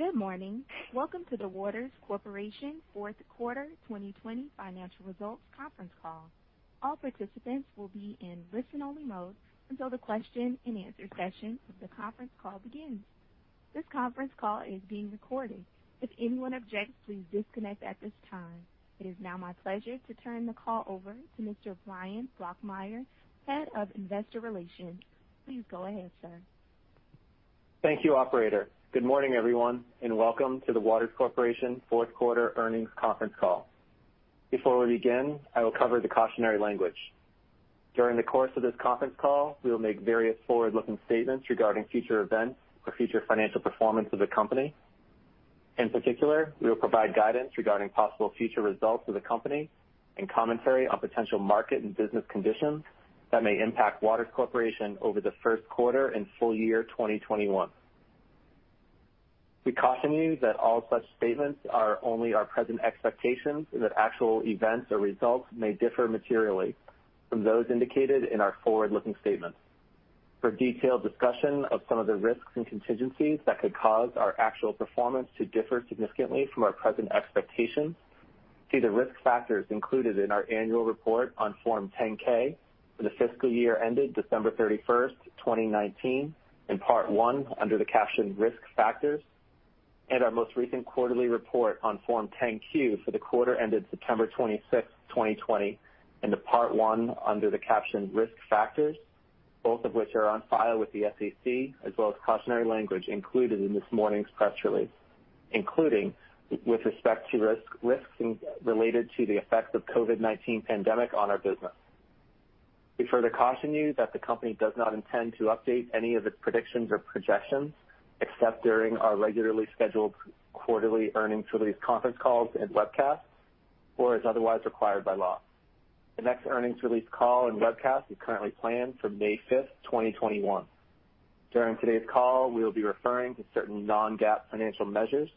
Good morning. Welcome to the Waters Corporation Fourth Quarter 2020 Financial Results Conference Call. All participants will be in listen-only mode until the question-and-answer session of the conference call begins. This conference call is being recorded. If anyone objects, please disconnect at this time. It is now my pleasure to turn the call over to Mr. Bryan Brokmeier, Head of Investor Relations. Please go ahead, sir. Thank you, Operator. Good morning, everyone, and welcome to the Waters Corporation Fourth Quarter Earnings Conference Call. Before we begin, I will cover the cautionary language. During the course of this conference call, we will make various forward-looking statements regarding future events or future financial performance of the company. In particular, we will provide guidance regarding possible future results of the company and commentary on potential market and business conditions that may impact Waters Corporation over the first quarter and full year 2021. We caution you that all such statements are only our present expectations and that actual events or results may differ materially from those indicated in our forward-looking statements. For detailed discussion of some of the risks and contingencies that could cause our actual performance to differ significantly from our present expectations, see the risk factors included in our annual report on Form 10-K for the fiscal year ended December 31st, 2019, in Part 1 under the caption Risk Factors, and our most recent quarterly report on Form 10-Q for the quarter ended September 26th, 2020, in the Part 1 under the caption Risk Factors, both of which are on file with the SEC, as well as cautionary language included in this morning's press release, including with respect to risks related to the effects of the COVID-19 pandemic on our business. We further caution you that the company does not intend to update any of its predictions or projections except during our regularly scheduled quarterly earnings release conference calls and webcasts, or as otherwise required by law. The next earnings release call and webcast is currently planned for May 5th, 2021. During today's call, we will be referring to certain non-GAAP financial measures.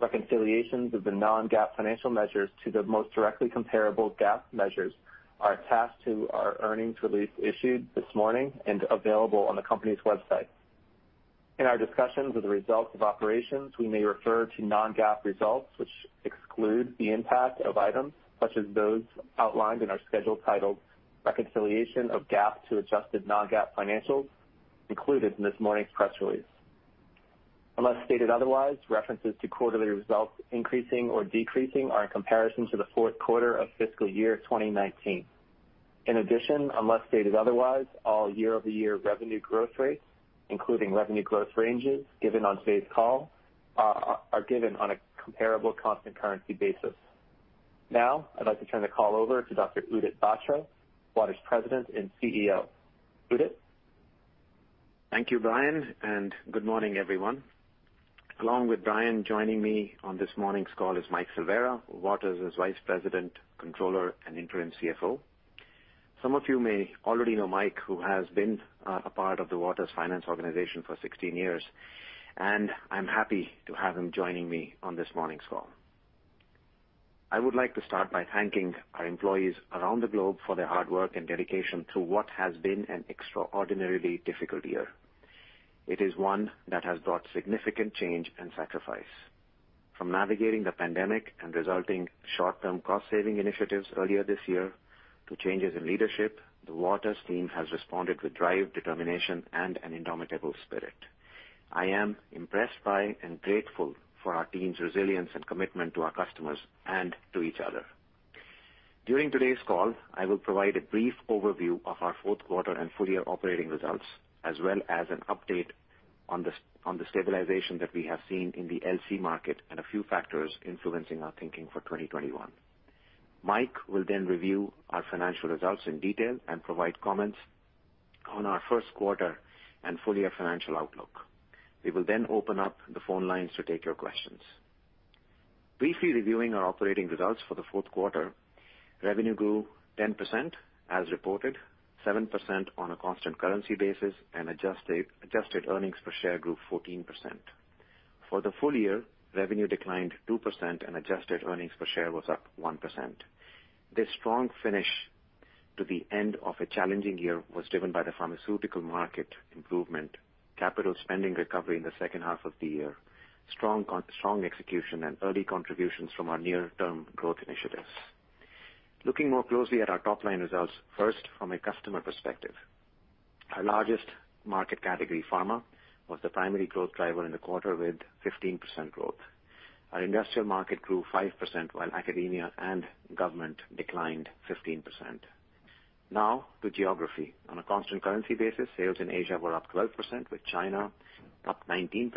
Reconciliations of the non-GAAP financial measures to the most directly comparable GAAP measures are attached to our earnings release issued this morning and available on the company's website. In our discussions of the results of operations, we may refer to non-GAAP results, which exclude the impact of items such as those outlined in our schedule titled Reconciliation of GAAP to Adjusted Non-GAAP Financials, included in this morning's press release. Unless stated otherwise, references to quarterly results increasing or decreasing are in comparison to the fourth quarter of fiscal year 2019. In addition, unless stated otherwise, all year-over-year revenue growth rates, including revenue growth ranges given on today's call, are given on a comparable constant currency basis. Now, I'd like to turn the call over to Dr. Udit Batra, Waters President and CEO. Udit? Thank you, Bryan, and good morning, everyone. Along with Bryan, joining me on this morning's call is Mike Silveira, Waters' Vice President, Controller, and Interim CFO. Some of you may already know Mike, who has been a part of the Waters Finance Organization for 16 years, and I'm happy to have him joining me on this morning's call. I would like to start by thanking our employees around the globe for their hard work and dedication through what has been an extraordinarily difficult year. It is one that has brought significant change and sacrifice. From navigating the pandemic and resulting short-term cost-saving initiatives earlier this year to changes in leadership, the Waters team has responded with drive, determination, and an indomitable spirit. I am impressed by and grateful for our team's resilience and commitment to our customers and to each other. During today's call, I will provide a brief overview of our fourth quarter and full-year operating results, as well as an update on the stabilization that we have seen in the LC market and a few factors influencing our thinking for 2021. Mike will then review our financial results in detail and provide comments on our first quarter and full-year financial outlook. We will then open up the phone lines to take your questions. Briefly reviewing our operating results for the fourth quarter, revenue grew 10% as reported, 7% on a constant currency basis, and adjusted earnings per share grew 14%. For the full year, revenue declined 2% and adjusted earnings per share was up 1%. This strong finish to the end of a challenging year was driven by the pharmaceutical market improvement, capital spending recovery in the second half of the year, strong execution, and early contributions from our near-term growth initiatives. Looking more closely at our top-line results, first from a customer perspective, our largest market category, pharma, was the primary growth driver in the quarter with 15% growth. Our industrial market grew 5% while academia and government declined 15%. Now to geography. On a constant currency basis, sales in Asia were up 12%, with China up 19%.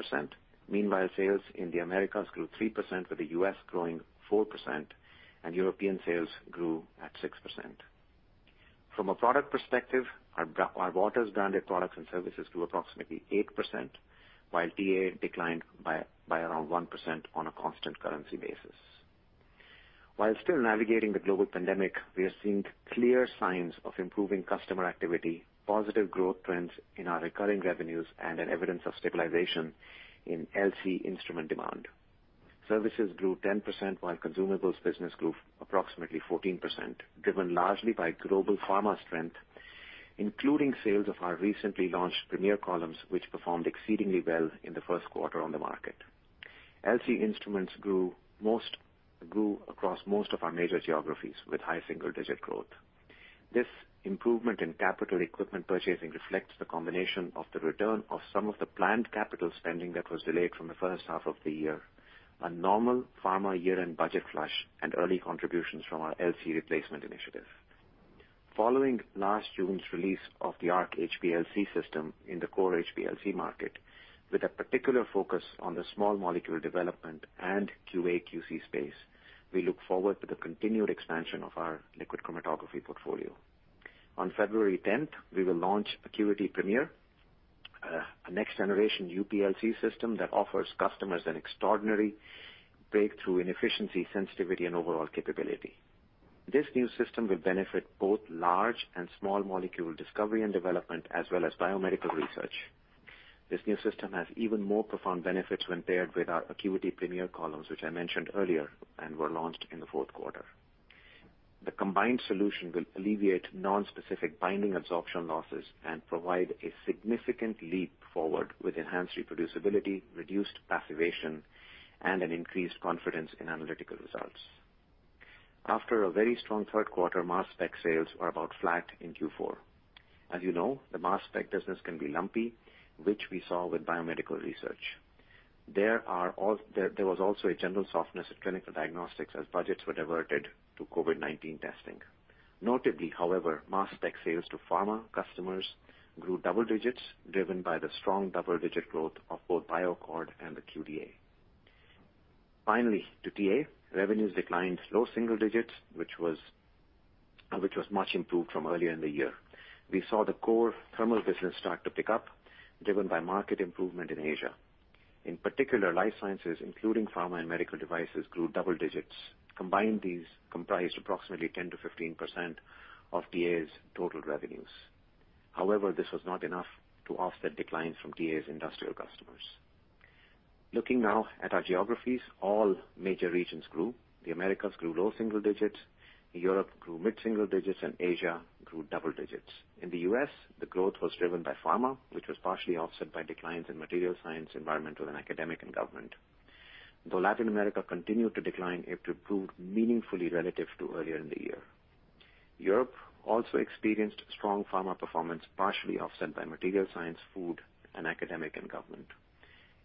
Meanwhile, sales in the Americas grew 3%, with the U.S. growing 4%, and European sales grew at 6%. From a product perspective, our Waters-branded products and services grew approximately 8%, while TA declined by around 1% on a constant currency basis. While still navigating the global pandemic, we are seeing clear signs of improving customer activity, positive growth trends in our recurring revenues, and evidence of stabilization in LC instrument demand. Services grew 10% while consumables business grew approximately 14%, driven largely by global pharma strength, including sales of our recently launched Premier columns, which performed exceedingly well in the first quarter on the market. LC instruments grew across most of our major geographies with high single-digit growth. This improvement in capital equipment purchasing reflects the combination of the return of some of the planned capital spending that was delayed from the first half of the year, a normal pharma year-end budget flush, and early contributions from our LC replacement initiative. Following last June's release of the Arc HPLC system in the core HPLC market, with a particular focus on the small molecule development and QA/QC space, we look forward to the continued expansion of our liquid chromatography portfolio. On February 10th, we will launch ACQUITY Premier, a next-generation UPLC system that offers customers an extraordinary breakthrough in efficiency, sensitivity, and overall capability. This new system will benefit both large and small molecule discovery and development, as well as biomedical research. This new system has even more profound benefits when paired with our ACQUITY Premier columns, which I mentioned earlier and were launched in the fourth quarter. The combined solution will alleviate non-specific binding adsorption losses and provide a significant leap forward with enhanced reproducibility, reduced passivation, and an increased confidence in analytical results. After a very strong third quarter, mass spec sales are about flat in Q4. As you know, the mass spec business can be lumpy, which we saw with biomedical research. There was also a general softness in clinical diagnostics as budgets were diverted to COVID-19 testing. Notably, however, mass spec sales to pharma customers grew double digits, driven by the strong double-digit growth of both BioAccord and the QDa. Finally, to TA, revenues declined low single digits, which was much improved from earlier in the year. We saw the core thermal business start to pick up, driven by market improvement in Asia. In particular, life sciences, including pharma and medical devices, grew double digits. Combined, these comprised approximately 10%-15% of TA's total revenues. However, this was not enough to offset declines from TA's industrial customers. Looking now at our geographies, all major regions grew. The Americas grew low single digits, Europe grew mid-single digits, and Asia grew double digits. In the U.S., the growth was driven by pharma, which was partially offset by declines in materials science, environmental, and academic and government. Though Latin America continued to decline, it improved meaningfully relative to earlier in the year. Europe also experienced strong pharma performance, partially offset by materials science, food, and academic and government.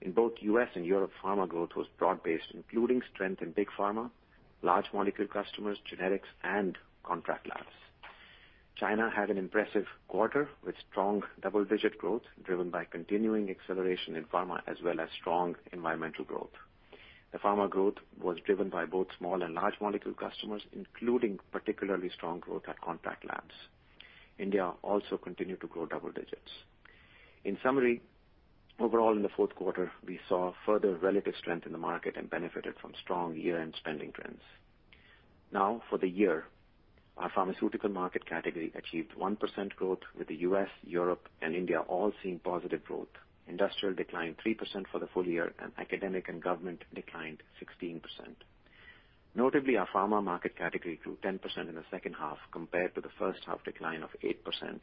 In both U.S. and Europe, pharma growth was broad-based, including strength in big pharma, large molecule customers, generics, and contract labs. China had an impressive quarter with strong double-digit growth, driven by continuing acceleration in pharma, as well as strong environmental growth. The pharma growth was driven by both small and large molecule customers, including particularly strong growth at contract labs. India also continued to grow double digits. In summary, overall in the fourth quarter, we saw further relative strength in the market and benefited from strong year-end spending trends. Now, for the year, our pharmaceutical market category achieved 1% growth, with the U.S., Europe, and India all seeing positive growth. Industrial declined 3% for the full year, and academic and government declined 16%. Notably, our pharma market category grew 10% in the second half compared to the first half decline of 8%,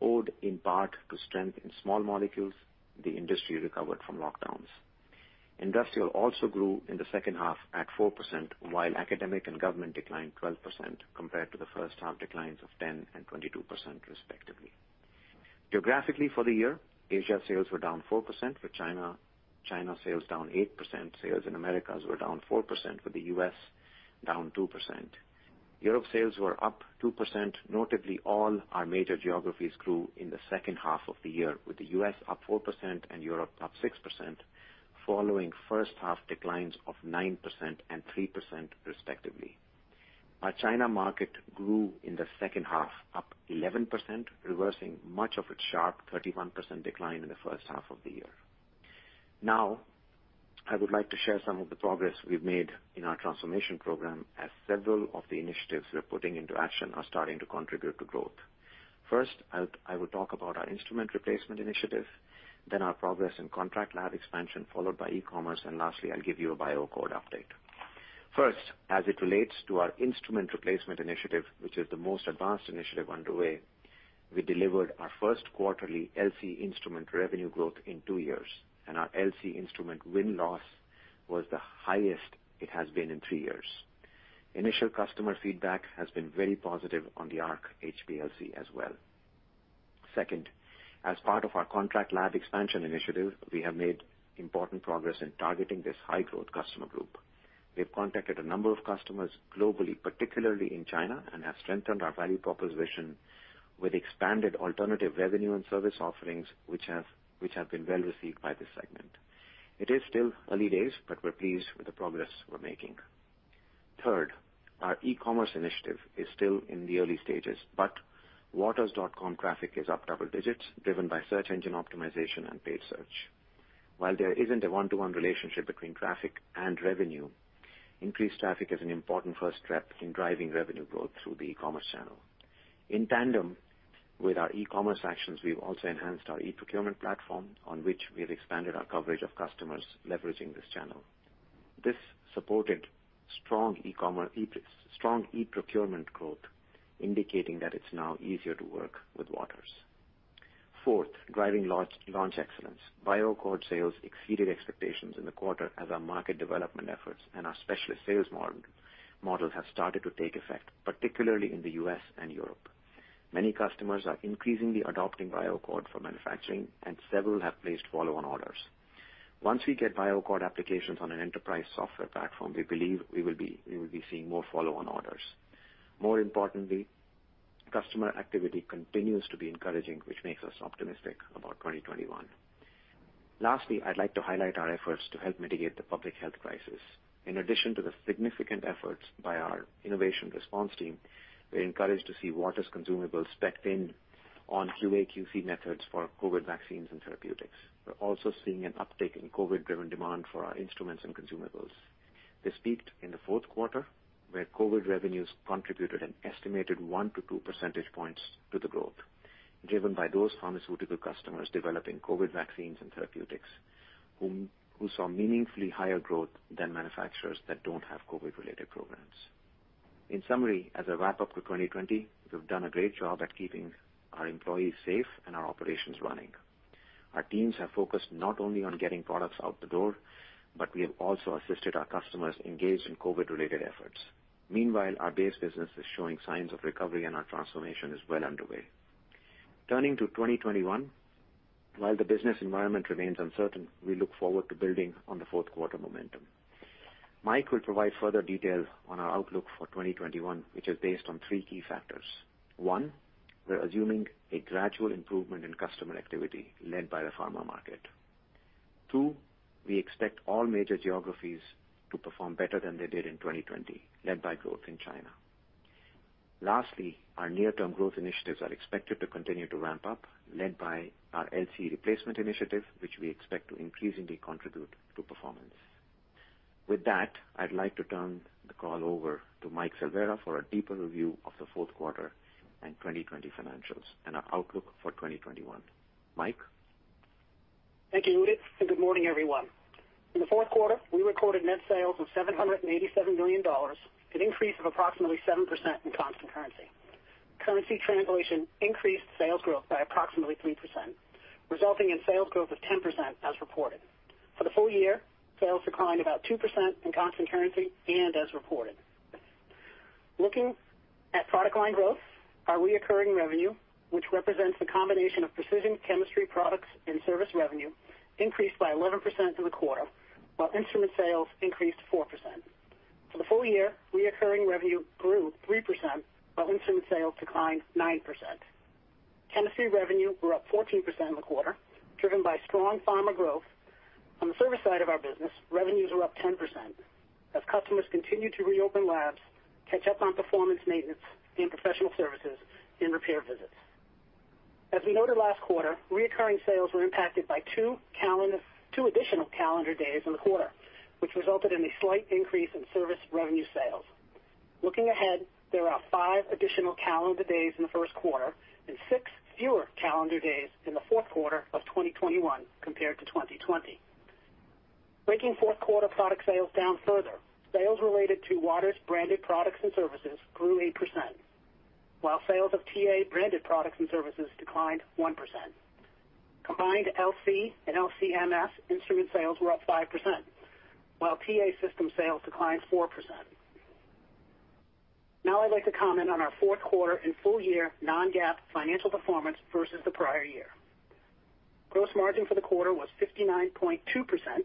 due in part to strength in small molecules. The industry recovered from lockdowns. Industrial also grew in the second half at 4%, while academic and government declined 12% compared to the first half declines of 10 and 22%, respectively. Geographically, for the year, Asia sales were down 4%, with China sales down 8%. Sales in America were down 4%, with the U.S. down 2%. Europe sales were up 2%. Notably, all our major geographies grew in the second half of the year, with the US up 4% and Europe up 6%, following first half declines of 9% and 3%, respectively. Our China market grew in the second half up 11%, reversing much of its sharp 31% decline in the first half of the year. Now, I would like to share some of the progress we've made in our transformation program, as several of the initiatives we're putting into action are starting to contribute to growth. First, I will talk about our instrument replacement initiative, then our progress in contract lab expansion, followed by e-commerce, and lastly, I'll give you a BioAccord update. First, as it relates to our instrument replacement initiative, which is the most advanced initiative underway, we delivered our first quarterly LC instrument revenue growth in two years, and our LC instrument win-loss was the highest it has been in three years. Initial customer feedback has been very positive on the Arc HPLC as well. Second, as part of our contract lab expansion initiative, we have made important progress in targeting this high-growth customer group. We've contacted a number of customers globally, particularly in China, and have strengthened our value proposition with expanded alternative revenue and service offerings, which have been well received by this segment. It is still early days, but we're pleased with the progress we're making. Third, our e-commerce initiative is still in the early stages, but Waters.com traffic is up double digits, driven by search engine optimization and paid search. While there isn't a one-to-one relationship between traffic and revenue, increased traffic is an important first step in driving revenue growth through the e-commerce channel. In tandem with our e-commerce actions, we've also enhanced our e-procurement platform, on which we have expanded our coverage of customers leveraging this channel. This supported strong e-procurement growth, indicating that it's now easier to work with Waters. Fourth, driving launch excellence, BioAccord sales exceeded expectations in the quarter as our market development efforts and our specialist sales model have started to take effect, particularly in the U.S. and Europe. Many customers are increasingly adopting BioAccord for manufacturing, and several have placed follow-on orders. Once we get BioAccord applications on an enterprise software platform, we believe we will be seeing more follow-on orders. More importantly, customer activity continues to be encouraging, which makes us optimistic about 2021. Lastly, I'd like to highlight our efforts to help mitigate the public health crisis. In addition to the significant efforts by our Innovation Response Team, we're encouraged to see Waters consumables specced in on QA/QC methods for COVID vaccines and therapeutics. We're also seeing an uptick in COVID-driven demand for our instruments and consumables. This peaked in the fourth quarter, where COVID revenues contributed an estimated 1-2 percentage points to the growth, driven by those pharmaceutical customers developing COVID vaccines and therapeutics, who saw meaningfully higher growth than manufacturers that don't have COVID-related programs. In summary, as a wrap-up to 2020, we've done a great job at keeping our employees safe and our operations running. Our teams have focused not only on getting products out the door, but we have also assisted our customers engaged in COVID-related efforts. Meanwhile, our base business is showing signs of recovery, and our transformation is well underway. Turning to 2021, while the business environment remains uncertain, we look forward to building on the fourth quarter momentum. Mike will provide further detail on our outlook for 2021, which is based on three key factors. One, we're assuming a gradual improvement in customer activity led by the pharma market. Two, we expect all major geographies to perform better than they did in 2020, led by growth in China. Lastly, our near-term growth initiatives are expected to continue to ramp up, led by our LC replacement initiative, which we expect to increasingly contribute to performance. With that, I'd like to turn the call over to Mike Silveira for a deeper review of the fourth quarter and 2020 financials and our outlook for 2021. Mike. Thank you, Udit. And good morning, everyone. In the fourth quarter, we recorded net sales of $787 million, an increase of approximately 7% in constant currency. Currency translation increased sales growth by approximately 3%, resulting in sales growth of 10% as reported. For the full year, sales declined about 2% in constant currency and as reported. Looking at product line growth, our recurring revenue, which represents the combination of precision chemistry products and service revenue, increased by 11% in the quarter, while instrument sales increased 4%. For the full year, recurring revenue grew 3%, while instrument sales declined 9%. Chemistry revenue grew up 14% in the quarter, driven by strong pharma growth. On the service side of our business, revenues were up 10%, as customers continued to reopen labs, catch up on performance maintenance and professional services and repair visits. As we noted last quarter, recurring sales were impacted by two additional calendar days in the quarter, which resulted in a slight increase in service revenue sales. Looking ahead, there are five additional calendar days in the first quarter and six fewer calendar days in the fourth quarter of 2021 compared to 2020. Breaking fourth quarter product sales down further, sales related to Waters branded products and services grew 8%, while sales of TA branded products and services declined 1%. Combined LC and LC-MS instrument sales were up 5%, while TA system sales declined 4%. Now, I'd like to comment on our fourth quarter and full year non-GAAP financial performance versus the prior year. Gross margin for the quarter was 59.2%, an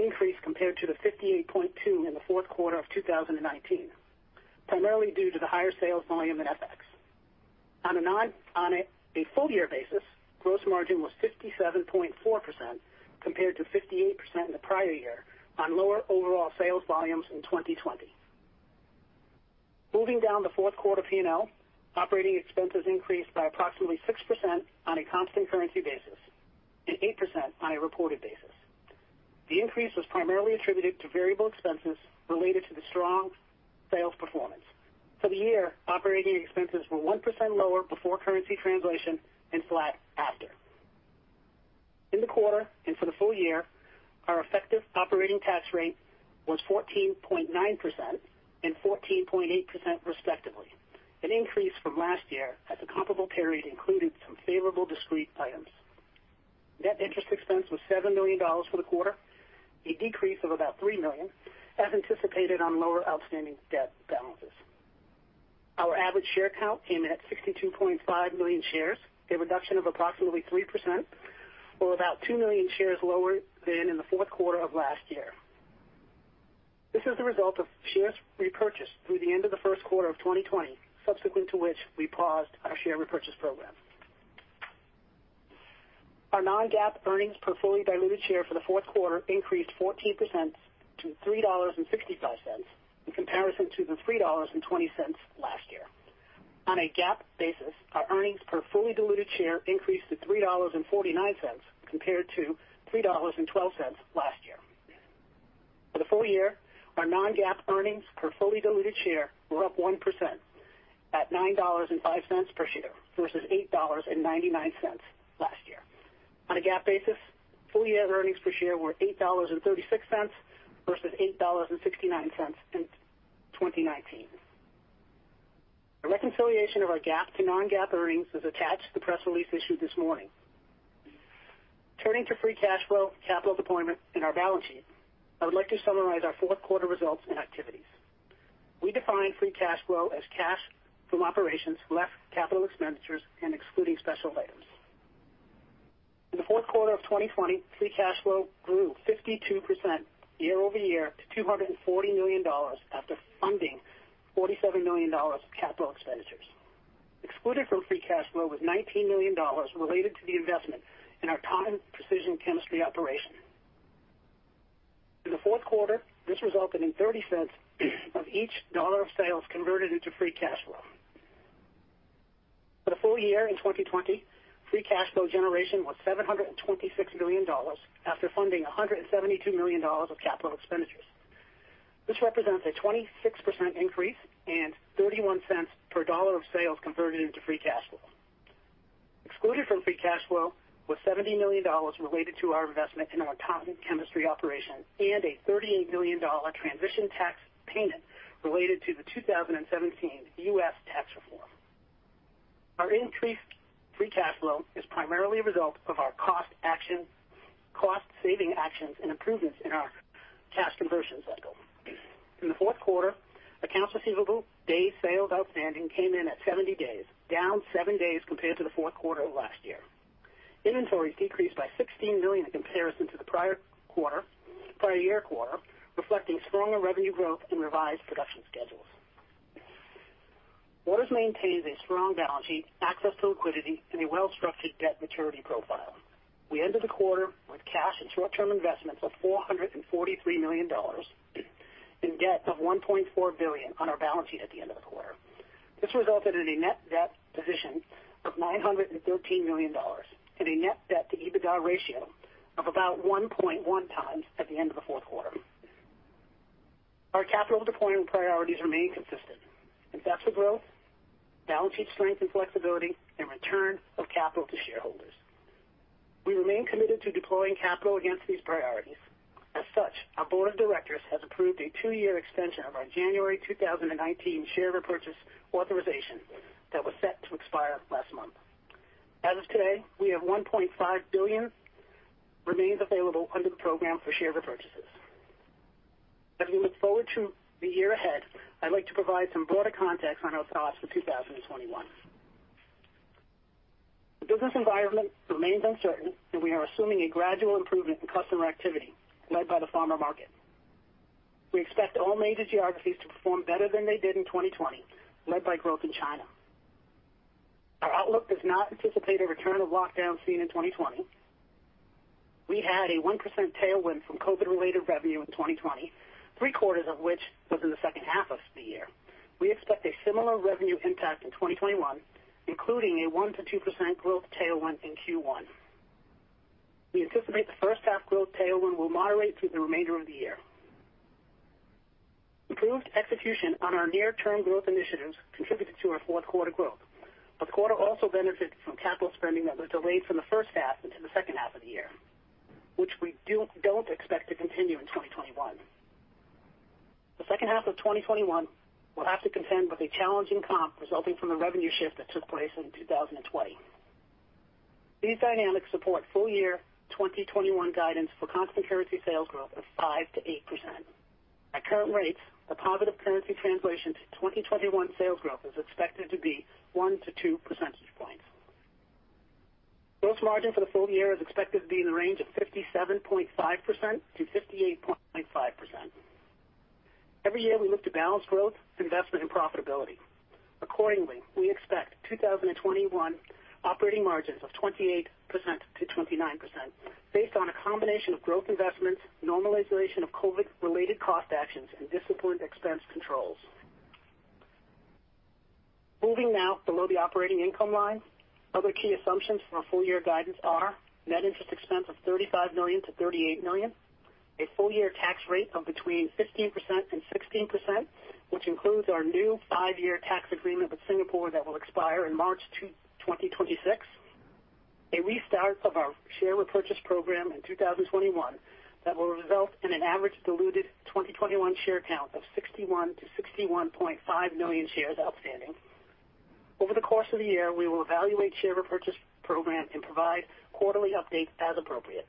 increase compared to the 58.2% in the fourth quarter of 2019, primarily due to the higher sales volume in FX. On a full year basis, gross margin was 57.4% compared to 58% in the prior year on lower overall sales volumes in 2020. Moving down the fourth quarter P&L, operating expenses increased by approximately 6% on a constant currency basis and 8% on a reported basis. The increase was primarily attributed to variable expenses related to the strong sales performance. For the year, operating expenses were 1% lower before currency translation and flat after. In the quarter and for the full year, our effective operating tax rate was 14.9% and 14.8%, respectively, an increase from last year as the comparable period included some favorable discrete items. Net interest expense was $7 million for the quarter, a decrease of about $3 million, as anticipated on lower outstanding debt balances. Our average share count came in at 62.5 million shares, a reduction of approximately 3%, or about 2 million shares lower than in the fourth quarter of last year. This is the result of shares repurchased through the end of the first quarter of 2020, subsequent to which we paused our share repurchase program. Our non-GAAP earnings per fully diluted share for the fourth quarter increased 14% to $3.65 in comparison to the $3.20 last year. On a GAAP basis, our earnings per fully diluted share increased to $3.49 compared to $3.12 last year. For the full year, our non-GAAP earnings per fully diluted share were up 1% at $9.05 per share versus $8.99 last year. On a GAAP basis, full year earnings per share were $8.36 versus $8.69 in 2019. The reconciliation of our GAAP to non-GAAP earnings is attached to the press release issued this morning. Turning to free cash flow, capital deployment, and our balance sheet, I would like to summarize our fourth quarter results and activities. We define free cash flow as cash from operations less capital expenditures and excluding special items. In the fourth quarter of 2020, free cash flow grew 52% year over year to $240 million after funding $47 million of capital expenditures. Excluded from free cash flow was $19 million related to the investment in our TA's precision chemistry operation. In the fourth quarter, this resulted in 30 cents of each dollar of sales converted into free cash flow. For the full year in 2020, free cash flow generation was $726 million after funding $172 million of capital expenditures. This represents a 26% increase and 31 cents per dollar of sales converted into free cash flow. Excluded from free cash flow was $70 million related to our investment in our TA chemistry operation and a $38 million transition tax payment related to the 2017 U.S. tax reform. Our increased free cash flow is primarily a result of our cost-saving actions and improvements in our cash conversion cycle. In the fourth quarter, accounts receivable day sales outstanding came in at 70 days, down seven days compared to the fourth quarter of last year. Inventories decreased by $16 million in comparison to the prior year quarter, reflecting stronger revenue growth and revised production schedules. Waters maintains a strong balance sheet, access to liquidity, and a well-structured debt maturity profile. We ended the quarter with cash and short-term investments of $443 million and debt of $1.4 billion on our balance sheet at the end of the quarter. This resulted in a net debt position of $913 million and a net debt-to-EBITDA ratio of about 1.1 times at the end of the fourth quarter. Our capital deployment priorities remain consistent: investment growth, balance sheet strength and flexibility, and return of capital to shareholders. We remain committed to deploying capital against these priorities. As such, our board of directors has approved a two-year extension of our January 2019 share repurchase authorization that was set to expire last month. As of today, we have $1.5 billion remains available under the program for share repurchases. As we look forward to the year ahead, I'd like to provide some broader context on our thoughts for 2021. The business environment remains uncertain, and we are assuming a gradual improvement in customer activity led by the pharma market. We expect all major geographies to perform better than they did in 2020, led by growth in China. Our outlook does not anticipate a return of lockdowns seen in 2020. We had a 1% tailwind from COVID-related revenue in 2020, three-quarters of which was in the second half of the year. We expect a similar revenue impact in 2021, including a 1%-2% growth tailwind in Q1. We anticipate the first-half growth tailwind will moderate through the remainder of the year. Improved execution on our near-term growth initiatives contributed to our fourth quarter growth. The quarter also benefited from capital spending that was delayed from the first half into the second half of the year, which we don't expect to continue in 2021. The second half of 2021 will have to contend with a challenging comp resulting from the revenue shift that took place in 2020. These dynamics support full year 2021 guidance for constant currency sales growth of 5%-8%. At current rates, the positive currency translation to 2021 sales growth is expected to be 1 to 2 percentage points. Gross margin for the full year is expected to be in the range of 57.5%-58.5%. Every year, we look to balance growth, investment, and profitability. Accordingly, we expect 2021 operating margins of 28%-29% based on a combination of growth investments, normalization of COVID-related cost actions, and disciplined expense controls. Moving now below the operating income line, other key assumptions for our full year guidance are net interest expense of $35 million-$38 million, a full year tax rate of between 15% and 16%, which includes our new five-year tax agreement with Singapore that will expire in March 2026, a restart of our share repurchase program in 2021 that will result in an average diluted 2021 share count of 61-61.5 million shares outstanding. Over the course of the year, we will evaluate share repurchase program and provide quarterly updates as appropriate.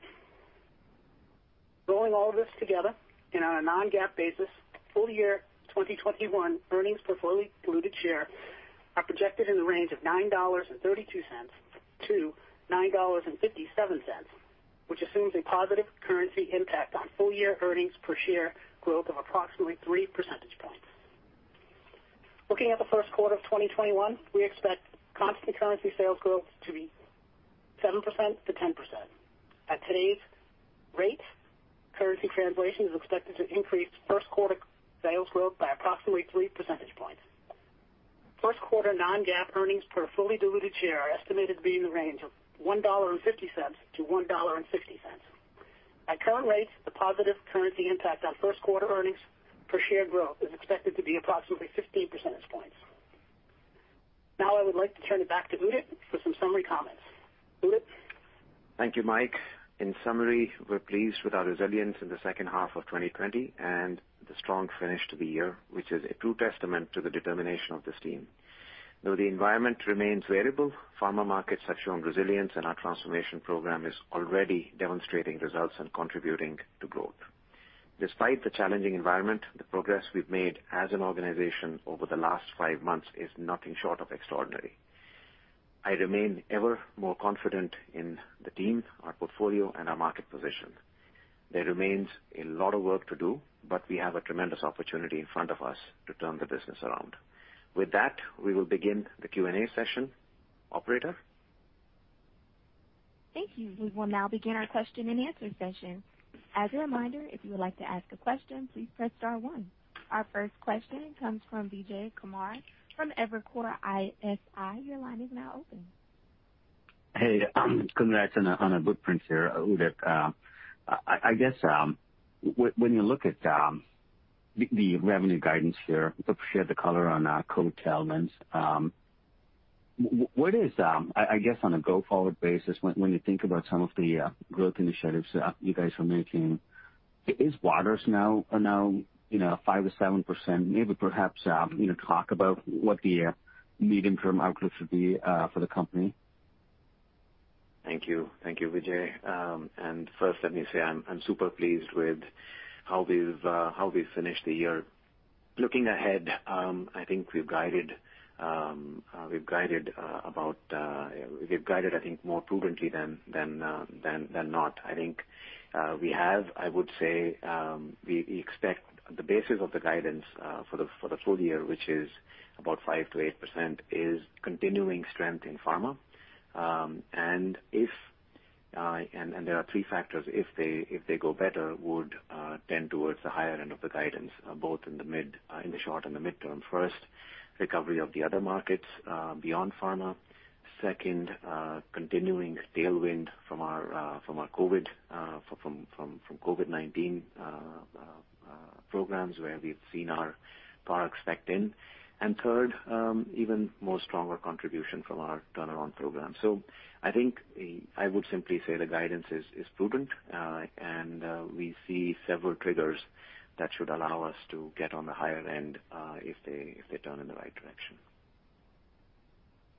Rolling all of this together on a non-GAAP basis, full year 2021 earnings per fully diluted share are projected in the range of $9.32-$9.57, which assumes a positive currency impact on full year earnings per share growth of approximately 3 percentage points. Looking at the first quarter of 2021, we expect constant currency sales growth to be 7%-10%. At today's rate, currency translation is expected to increase first quarter sales growth by approximately 3 percentage points. First quarter non-GAAP earnings per fully diluted share are estimated to be in the range of $1.50-$1.60. At current rates, the positive currency impact on first quarter earnings per share growth is expected to be approximately 15 percentage points. Now, I would like to turn it back to Udit for some summary comments. Udit. Thank you, Mike. In summary, we're pleased with our resilience in the second half of 2020 and the strong finish to the year, which is a true testament to the determination of this team. Though the environment remains variable, pharma markets have shown resilience, and our transformation program is already demonstrating results and contributing to growth. Despite the challenging environment, the progress we've made as an organization over the last five months is nothing short of extraordinary. I remain ever more confident in the team, our portfolio, and our market position. There remains a lot of work to do, but we have a tremendous opportunity in front of us to turn the business around. With that, we will begin the Q&A session. Operator. Thank you. We will now begin our question and answer session. As a reminder, if you would like to ask a question, please press star one. Our first question comes from Vijay Kumar from Evercore ISI. Your line is now open. Hey, congrats on a good print here, Udit. I guess when you look at the revenue guidance here, share the color on COVID tailwinds, what is, I guess, on a go-forward basis, when you think about some of the growth initiatives you guys are making, is Waters now 5%-7%, maybe perhaps talk about what the medium-term outlook should be for the company? Thank you. Thank you, Vijay. First, let me say I'm super pleased with how we've finished the year. Looking ahead, I think we've guided, I think, more prudently than not. I think we have, I would say, we expect the basis of the guidance for the full year, which is about 5%-8%, is continuing strength in pharma. And there are three factors. If they go better, would tend towards the higher end of the guidance, both in the short and the midterm. First, recovery of the other markets beyond pharma. Second, continuing tailwind from our COVID-19 programs where we've seen our products stacked in. And third, even more stronger contribution from our turnaround program. So I think I would simply say the guidance is prudent, and we see several triggers that should allow us to get on the higher end if they turn in the right direction.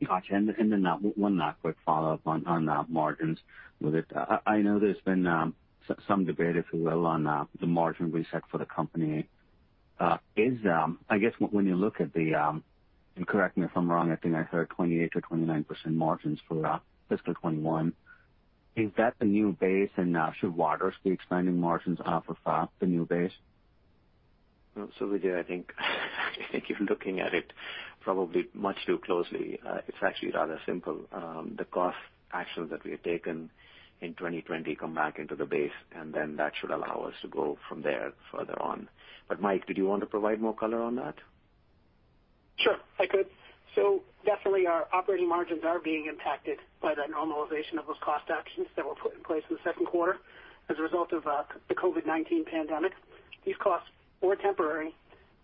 Gotcha. And then one quick follow-up on margins, Udit. I know there's been some debate, if you will, on the margin we set for the company. I guess when you look at the, and correct me if I'm wrong, I think I heard 28%-29% margins for fiscal 2021. Is that the new base, and should Waters be expanding margins off of the new base? Absolutely, I think. I think if you're looking at it probably much too closely, it's actually rather simple. The cost actions that we have taken in 2020 come back into the base, and then that should allow us to go from there further on. But Mike, did you want to provide more color on that? Sure, I could. So definitely, our operating margins are being impacted by that normalization of those cost actions that were put in place in the second quarter as a result of the COVID-19 pandemic. These costs were temporary,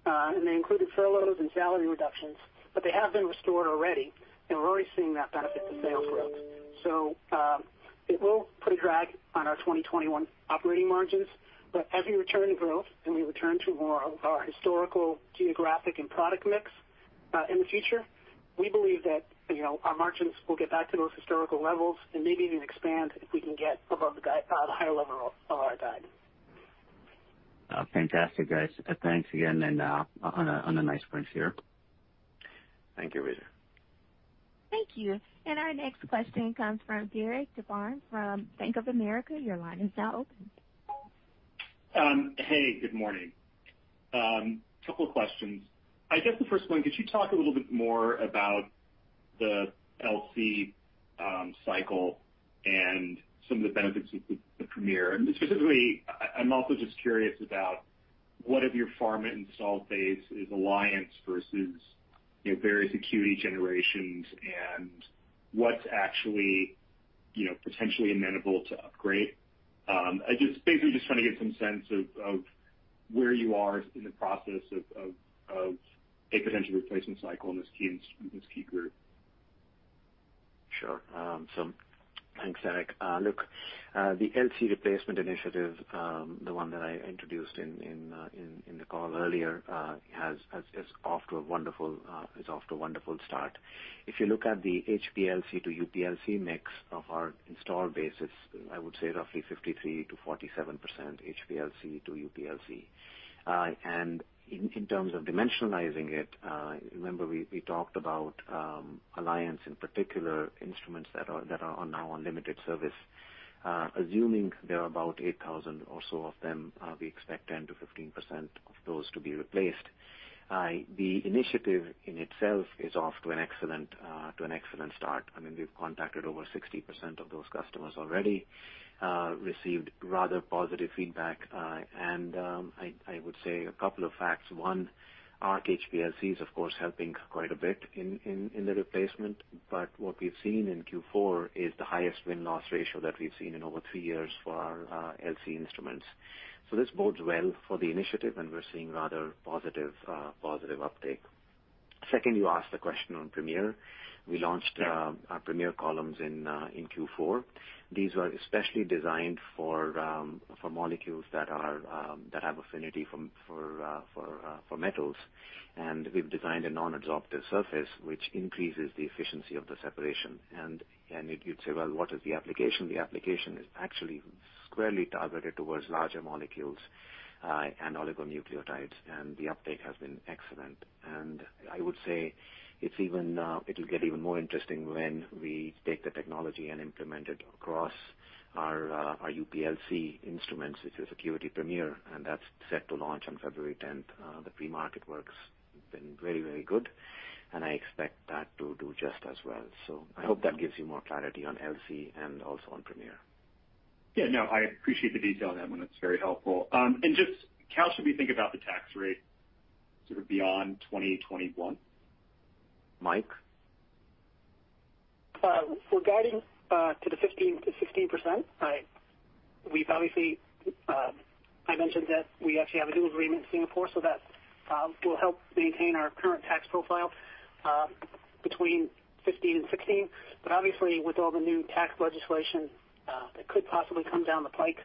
and they included furloughs and salary reductions, but they have been restored already, and we're already seeing that benefit to sales growth. So it will put a drag on our 2021 operating margins, but as we return to growth and we return to more of our historical geographic and product mix in the future, we believe that our margins will get back to those historical levels and maybe even expand if we can get above the higher level of our guide. Fantastic, guys. Thanks again, and on a nice print here. Thank you, Vijay. Thank you. And our next question comes from Derik de Bruin from Bank of America. Your line is now open. Hey, good morning. A couple of questions. I guess the first one, could you talk a little bit more about the LC cycle and some of the benefits of the premier? Specifically, I'm also just curious about what of your pharma installed base is Alliances versus various ACQUITY generations and what's actually potentially amenable to upgrade. I'm basically just trying to get some sense of where you are in the process of a potential replacement cycle in this key group. Sure. So thanks, Eric. Look, the LC replacement initiative, the one that I introduced in the call earlier, is off to a wonderful start. If you look at the HPLC to UPLC mix of our installed base, I would say roughly 53%-47% HPLC to UPLC. And in terms of dimensionalizing it, remember we talked about Alliance in particular instruments that are now on limited service. Assuming there are about 8,000 or so of them, we expect 10%-15% of those to be replaced. The initiative in itself is off to an excellent start. I mean, we've contacted over 60% of those customers already, received rather positive feedback, and I would say a couple of facts. One, Arc HPLC is, of course, helping quite a bit in the replacement, but what we've seen in Q4 is the highest win-loss ratio that we've seen in over three years for our LC instruments. So this bodes well for the initiative, and we're seeing rather positive uptake. Second, you asked the question on premier. We launched our Premier Columns in Q4. These were especially designed for molecules that have affinity for metals, and we've designed a non-absorptive surface, which increases the efficiency of the separation. And you'd say, "Well, what is the application?" The application is actually squarely targeted towards larger molecules and oligonucleotides, and the uptake has been excellent. And I would say it'll get even more interesting when we take the technology and implement it across our UPLC instruments, which is ACQUITY Premier, and that's set to launch on February 10th. The pre-market works have been very, very good, and I expect that to do just as well. So I hope that gives you more clarity on LC and also on Premier. Yeah, no, I appreciate the detail on that one. It's very helpful. And just how should we think about the tax rate sort of beyond 2021? Mike? Regarding to the 15%-16%, we've obviously I mentioned that we actually have a new agreement in Singapore, so that will help maintain our current tax profile between 15% and 16%. But obviously, with all the new tax legislation that could possibly come down the pike,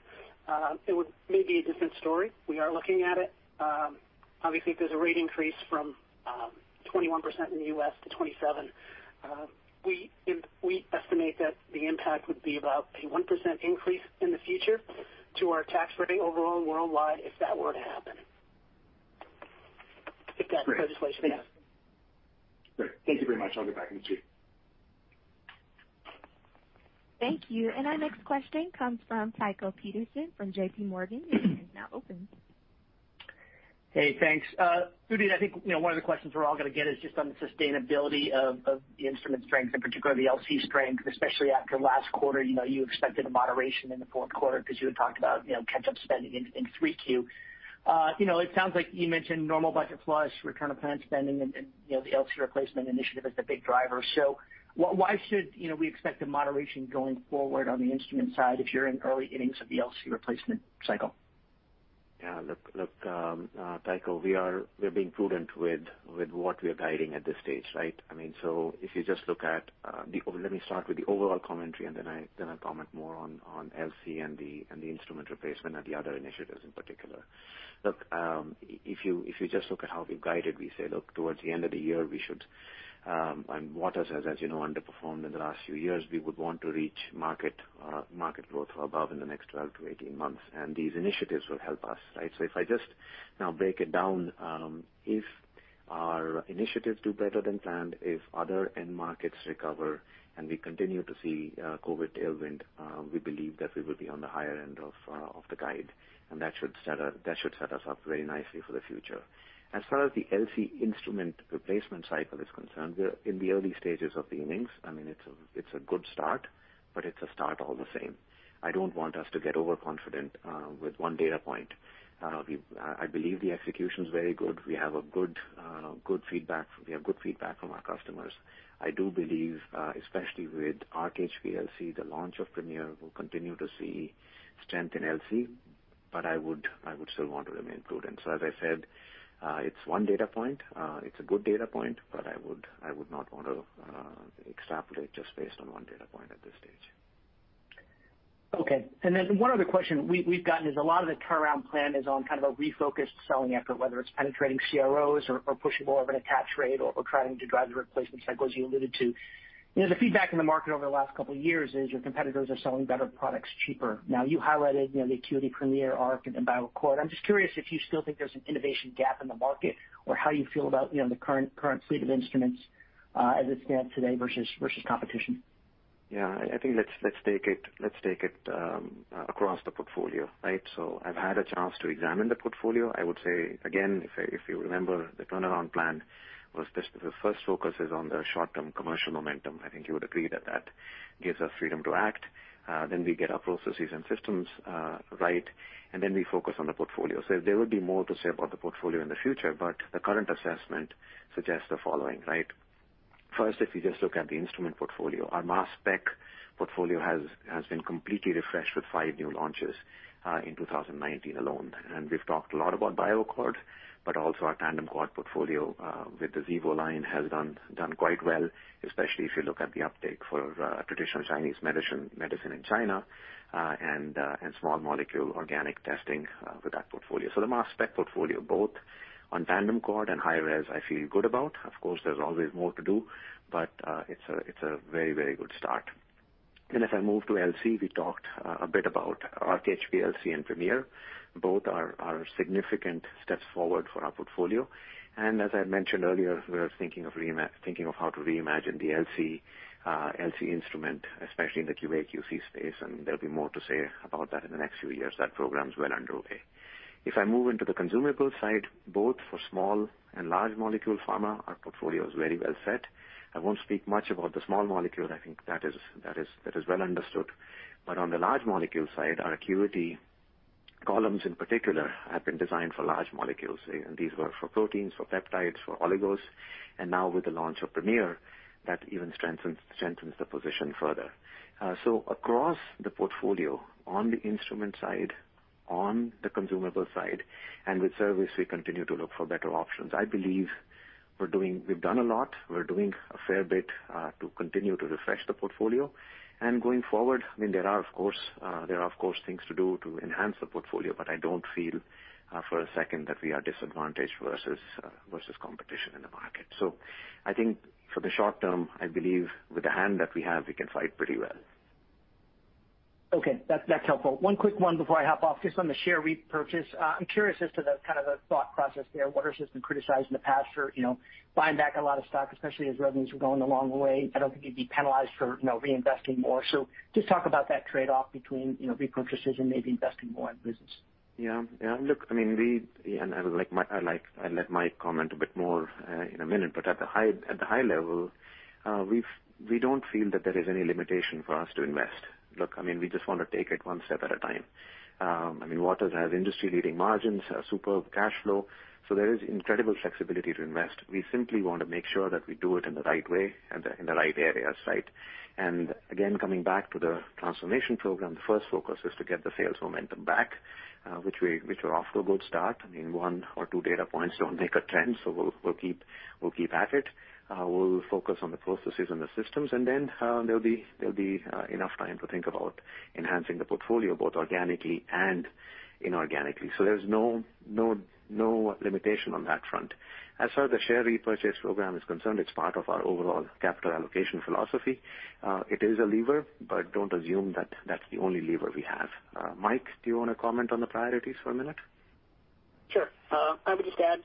it would maybe be a different story. We are looking at it. Obviously, if there's a rate increase from 21% in the U.S. to 27%, we estimate that the impact would be about a 1% increase in the future to our tax rate overall worldwide if that were to happen. If that legislation is. Great. Thank you very much. I'll get back in touch with you. Thank you. And our next question comes from Tycho Peterson from J.P. Morgan. It is now open. Hey, thanks. Udit, I think one of the questions we're all going to get is just on the sustainability of the instrument strength, in particular the LC strength, especially after last quarter. You expected a moderation in the fourth quarter because you had talked about catch-up spending in three Q. It sounds like you mentioned normal budget flush, return-of-plans spending, and the LC replacement initiative is the big driver. So why should we expect a moderation going forward on the instrument side if you're in early innings of the LC replacement cycle? Yeah. Look, Tycho, we are being prudent with what we are guiding at this stage, right? I mean, so if you just look at the, let me start with the overall commentary, and then I'll comment more on LC and the instrument replacement and the other initiatives in particular. Look, if you just look at how we've guided, we say, "Look, towards the end of the year, we should," and Waters has, as you know, underperformed in the last few years. We would want to reach market growth above in the next 12-18 months, and these initiatives will help us, right? If I just now break it down, if our initiatives do better than planned, if other end markets recover, and we continue to see COVID tailwind, we believe that we will be on the higher end of the guide, and that should set us up very nicely for the future. As far as the LC instrument replacement cycle is concerned, we're in the early stages of the innings. I mean, it's a good start, but it's a start all the same. I don't want us to get overconfident with one data point. I believe the execution is very good. We have good feedback. We have good feedback from our customers. I do believe, especially with Arc HPLC, the launch of Premier will continue to see strength in LC, but I would still want to remain prudent. As I said, it's one data point. It's a good data point, but I would not want to extrapolate just based on one data point at this stage. Okay. And then one other question we've gotten is a lot of the turnaround plan is on kind of a refocused selling effort, whether it's penetrating CROs or pushing more of an attach rate or trying to drive the replacement cycle, as you alluded to. The feedback in the market over the last couple of years is your competitors are selling better products cheaper. Now, you highlighted the ACQUITY Premier, Arc, and BioAccord. I'm just curious if you still think there's an innovation gap in the market or how you feel about the current fleet of instruments as it stands today versus competition. Yeah. I think let's take it across the portfolio, right? So I've had a chance to examine the portfolio. I would say, again, if you remember, the turnaround plan was the first focus is on the short-term commercial momentum. I think you would agree that that gives us freedom to act. Then we get our processes and systems right, and then we focus on the portfolio. So there would be more to say about the portfolio in the future, but the current assessment suggests the following, right? First, if you just look at the instrument portfolio, our mass spec portfolio has been completely refreshed with five new launches in 2019 alone. And we've talked a lot about BioAccord, but also our tandem quad portfolio with the Xevo line has done quite well, especially if you look at the uptake for traditional Chinese medicine in China and small molecule organic testing with that portfolio. So the mass spec portfolio, both on tandem quad and high res, I feel good about. Of course, there's always more to do, but it's a very, very good start. And if I move to LC, we talked a bit about Arc HPLC and Premier. Both are significant steps forward for our portfolio. And as I mentioned earlier, we're thinking of how to reimagine the LC instrument, especially in the QA/QC space, and there'll be more to say about that in the next few years. That program's well underway. If I move into the consumable side, both for small and large molecule pharma, our portfolio is very well set. I won't speak much about the small molecule. I think that is well understood. But on the large molecule side, our ACQUITY columns in particular have been designed for large molecules, and these were for proteins, for peptides, for oligos. And now with the launch of Premier, that even strengthens the position further. So across the portfolio, on the instrument side, on the consumable side, and with service, we continue to look for better options. I believe we've done a lot. We're doing a fair bit to continue to refresh the portfolio. And going forward, I mean, there are, of course, things to do to enhance the portfolio, but I don't feel for a second that we are disadvantaged versus competition in the market. So I think for the short term, I believe with the hand that we have, we can fight pretty well. Okay. That's helpful. One quick one before I hop off, just on the share repurchase. I'm curious as to the kind of thought process there. Waters has been criticized in the past for buying back a lot of stock, especially as revenues were going a long way. I don't think you'd be penalized for reinvesting more. So just talk about that trade-off between repurchases and maybe investing more in business. Yeah. Yeah. Look, I mean, and I'll let Mike comment a bit more in a minute, but at the high level, we don't feel that there is any limitation for us to invest. Look, I mean, we just want to take it one step at a time. I mean, Waters has industry-leading margins, a superb cash flow, so there is incredible flexibility to invest. We simply want to make sure that we do it in the right way and in the right areas, right? And again, coming back to the transformation program, the first focus is to get the sales momentum back, which we're off to a good start. I mean, one or two data points don't make a trend, so we'll keep at it. We'll focus on the processes and the systems, and then there'll be enough time to think about enhancing the portfolio both organically and inorganically. So there's no limitation on that front. As far as the share repurchase program is concerned, it's part of our overall capital allocation philosophy. It is a lever, but don't assume that that's the only lever we have. Mike, do you want to comment on the priorities for a minute? Sure. I would just add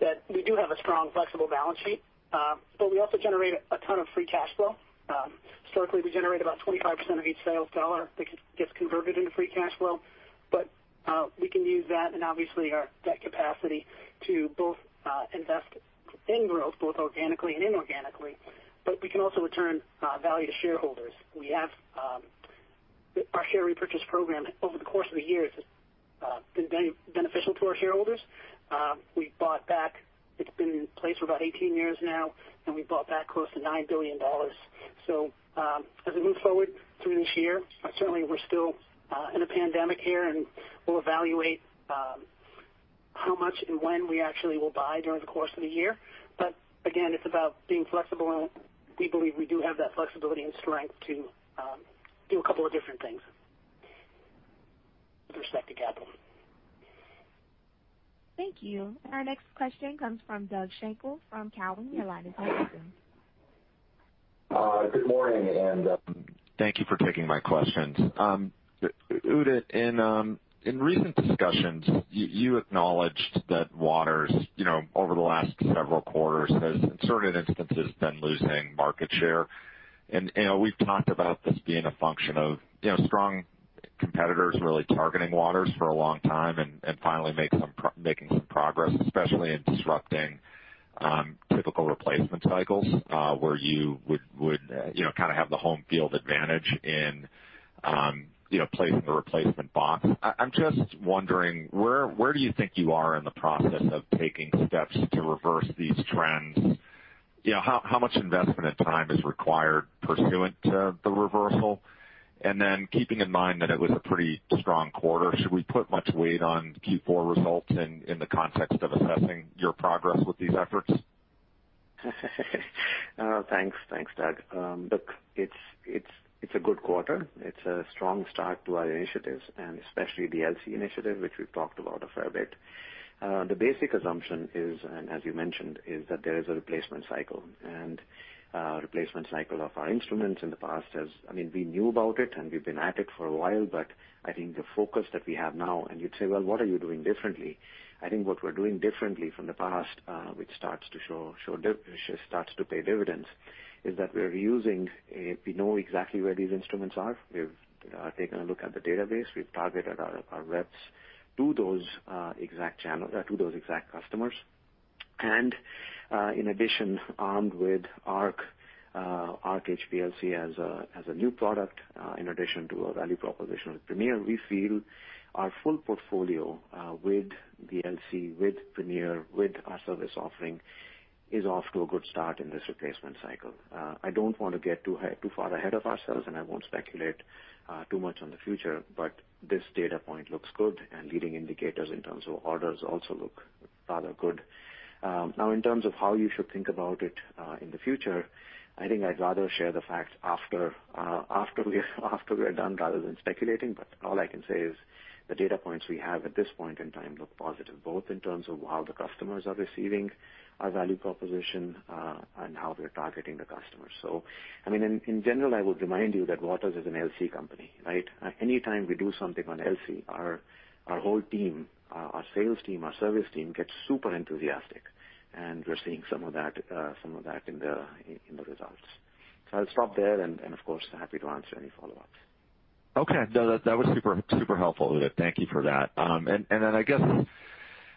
that we do have a strong flexible balance sheet, but we also generate a ton of free cash flow. Historically, we generate about 25% of each sales dollar that gets converted into free cash flow, but we can use that and obviously our debt capacity to both invest in growth, both organically and inorganically, but we can also return value to shareholders. Our share repurchase program over the course of the years has been beneficial to our shareholders. We bought back. It's been in place for about 18 years now, and we bought back close to $9 billion. So as we move forward through this year, certainly we're still in a pandemic here, and we'll evaluate how much and when we actually will buy during the course of the year. But again, it's about being flexible, and we believe we do have that flexibility and strength to do a couple of different things with respect to capital. Thank you. And our next question comes from Doug Schenkel from Cowen. Good morning, and thank you for taking my questions. Udit, in recent discussions, you acknowledged that Waters, over the last several quarters, has in certain instances been losing market share. And we've talked about this being a function of strong competitors really targeting Waters for a long time and finally making some progress, especially in disrupting typical replacement cycles where you would kind of have the home field advantage in placing the replacement box. I'm just wondering, where do you think you are in the process of taking steps to reverse these trends? How much investment and time is required pursuant to the reversal? And then keeping in mind that it was a pretty strong quarter, should we put much weight on Q4 results in the context of assessing your progress with these efforts? Thanks. Thanks, Doug. Look, it's a good quarter. It's a strong start to our initiatives, and especially the LC initiative, which we've talked about a fair bit. The basic assumption is, and as you mentioned, is that there is a replacement cycle. And replacement cycle of our instruments in the past has. I mean, we knew about it, and we've been at it for a while, but I think the focus that we have now, and you'd say, "Well, what are you doing differently?" I think what we're doing differently from the past, which starts to show, starts to pay dividends, is that we're reusing. We know exactly where these instruments are. We've taken a look at the database. We've targeted our reps to those exact customers. And in addition, armed with Arc HPLC as a new product, in addition to our value proposition with Premier, we feel our full portfolio with the LC, with Premier, with our service offering is off to a good start in this replacement cycle. I don't want to get too far ahead of ourselves, and I won't speculate too much on the future, but this data point looks good, and leading indicators in terms of orders also look rather good. Now, in terms of how you should think about it in the future, I think I'd rather share the fact after we are done rather than speculating, but all I can say is the data points we have at this point in time look positive, both in terms of how the customers are receiving our value proposition and how we're targeting the customers. So, I mean, in general, I would remind you that Waters is an LC company, right? Anytime we do something on LC, our whole team, our sales team, our service team gets super enthusiastic, and we're seeing some of that in the results. So I'll stop there, and of course happy to answer any follow-ups. Okay. No, that was super helpful, Udit. Thank you for that. And then I guess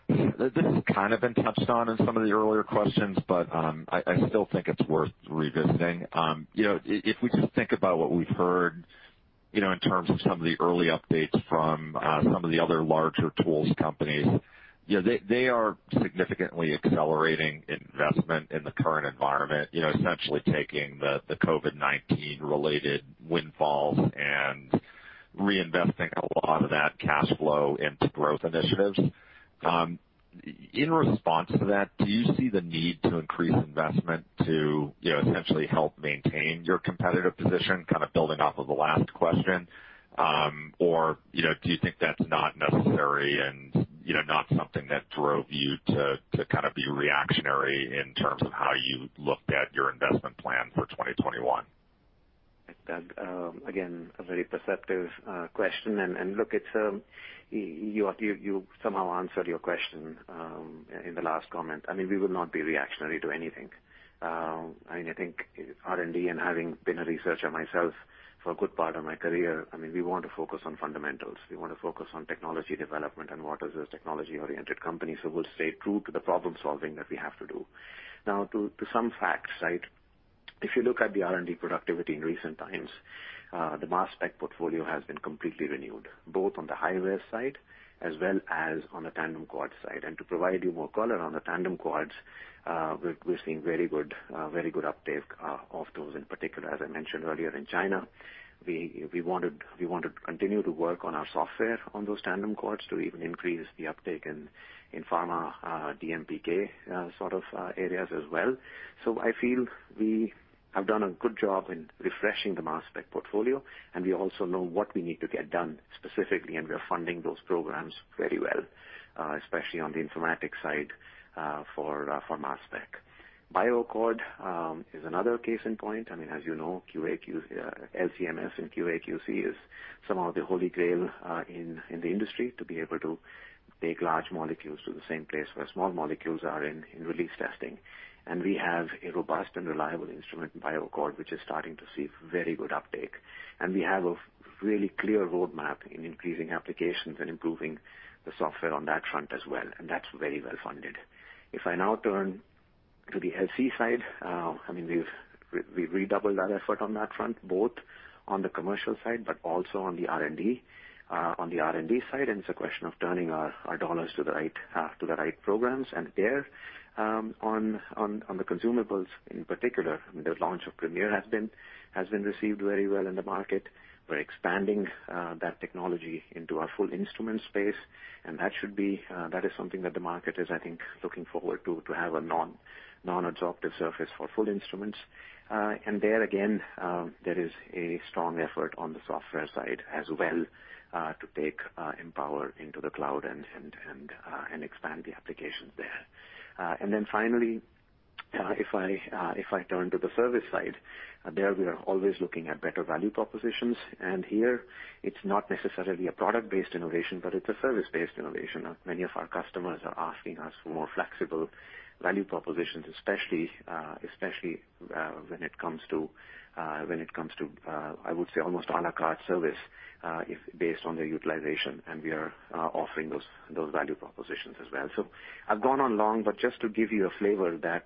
this has kind of been touched on in some of the earlier questions, but I still think it's worth revisiting. If we just think about what we've heard in terms of some of the early updates from some of the other larger tools companies, they are significantly accelerating investment in the current environment, essentially taking the COVID-19-related windfalls and reinvesting a lot of that cash flow into growth initiatives. In response to that, do you see the need to increase investment to essentially help maintain your competitive position, kind of building off of the last question? Or do you think that's not necessary and not something that drove you to kind of be reactionary in terms of how you looked at your investment plan for 2021? Again, a very perceptive question, and look, you somehow answered your question in the last comment. I mean, we will not be reactionary to anything. I mean, I think R&D, and having been a researcher myself for a good part of my career, I mean, we want to focus on fundamentals. We want to focus on technology development, and Waters is a technology-oriented company, so we'll stay true to the problem-solving that we have to do. Now, to some facts, right? If you look at the R&D productivity in recent times, the mass spec portfolio has been completely renewed, both on the high-res side as well as on the tandem quad side. To provide you more color on the tandem quads, we're seeing very good uptake of those in particular. As I mentioned earlier, in China, we want to continue to work on our software on those tandem quads to even increase the uptake in pharma DMPK sort of areas as well. So I feel we have done a good job in refreshing the mass spec portfolio, and we also know what we need to get done specifically, and we are funding those programs very well, especially on the informatics side for mass spec. BioAccord is another case in point. I mean, as you know, LCMS and QA/QC is somehow the holy grail in the industry to be able to take large molecules to the same place where small molecules are in release testing. And we have a robust and reliable instrument, BioAccord, which is starting to see very good uptake. We have a really clear roadmap in increasing applications and improving the software on that front as well, and that's very well funded. If I now turn to the LC side, I mean, we've redoubled our effort on that front, both on the commercial side but also on the R&D side, and it's a question of turning our dollars to the right programs and there. On the consumables in particular, the launch of Premier has been received very well in the market. We're expanding that technology into our full instrument space, and that is something that the market is, I think, looking forward to, to have a non-adsorptive surface for full instruments. And there, again, there is a strong effort on the software side as well to take Empower into the cloud and expand the applications there. And then finally, if I turn to the service side, there we are always looking at better value propositions, and here it's not necessarily a product-based innovation, but it's a service-based innovation. Many of our customers are asking us for more flexible value propositions, especially when it comes to, I would say, almost à la carte service based on their utilization, and we are offering those value propositions as well. So I've gone on long, but just to give you a flavor that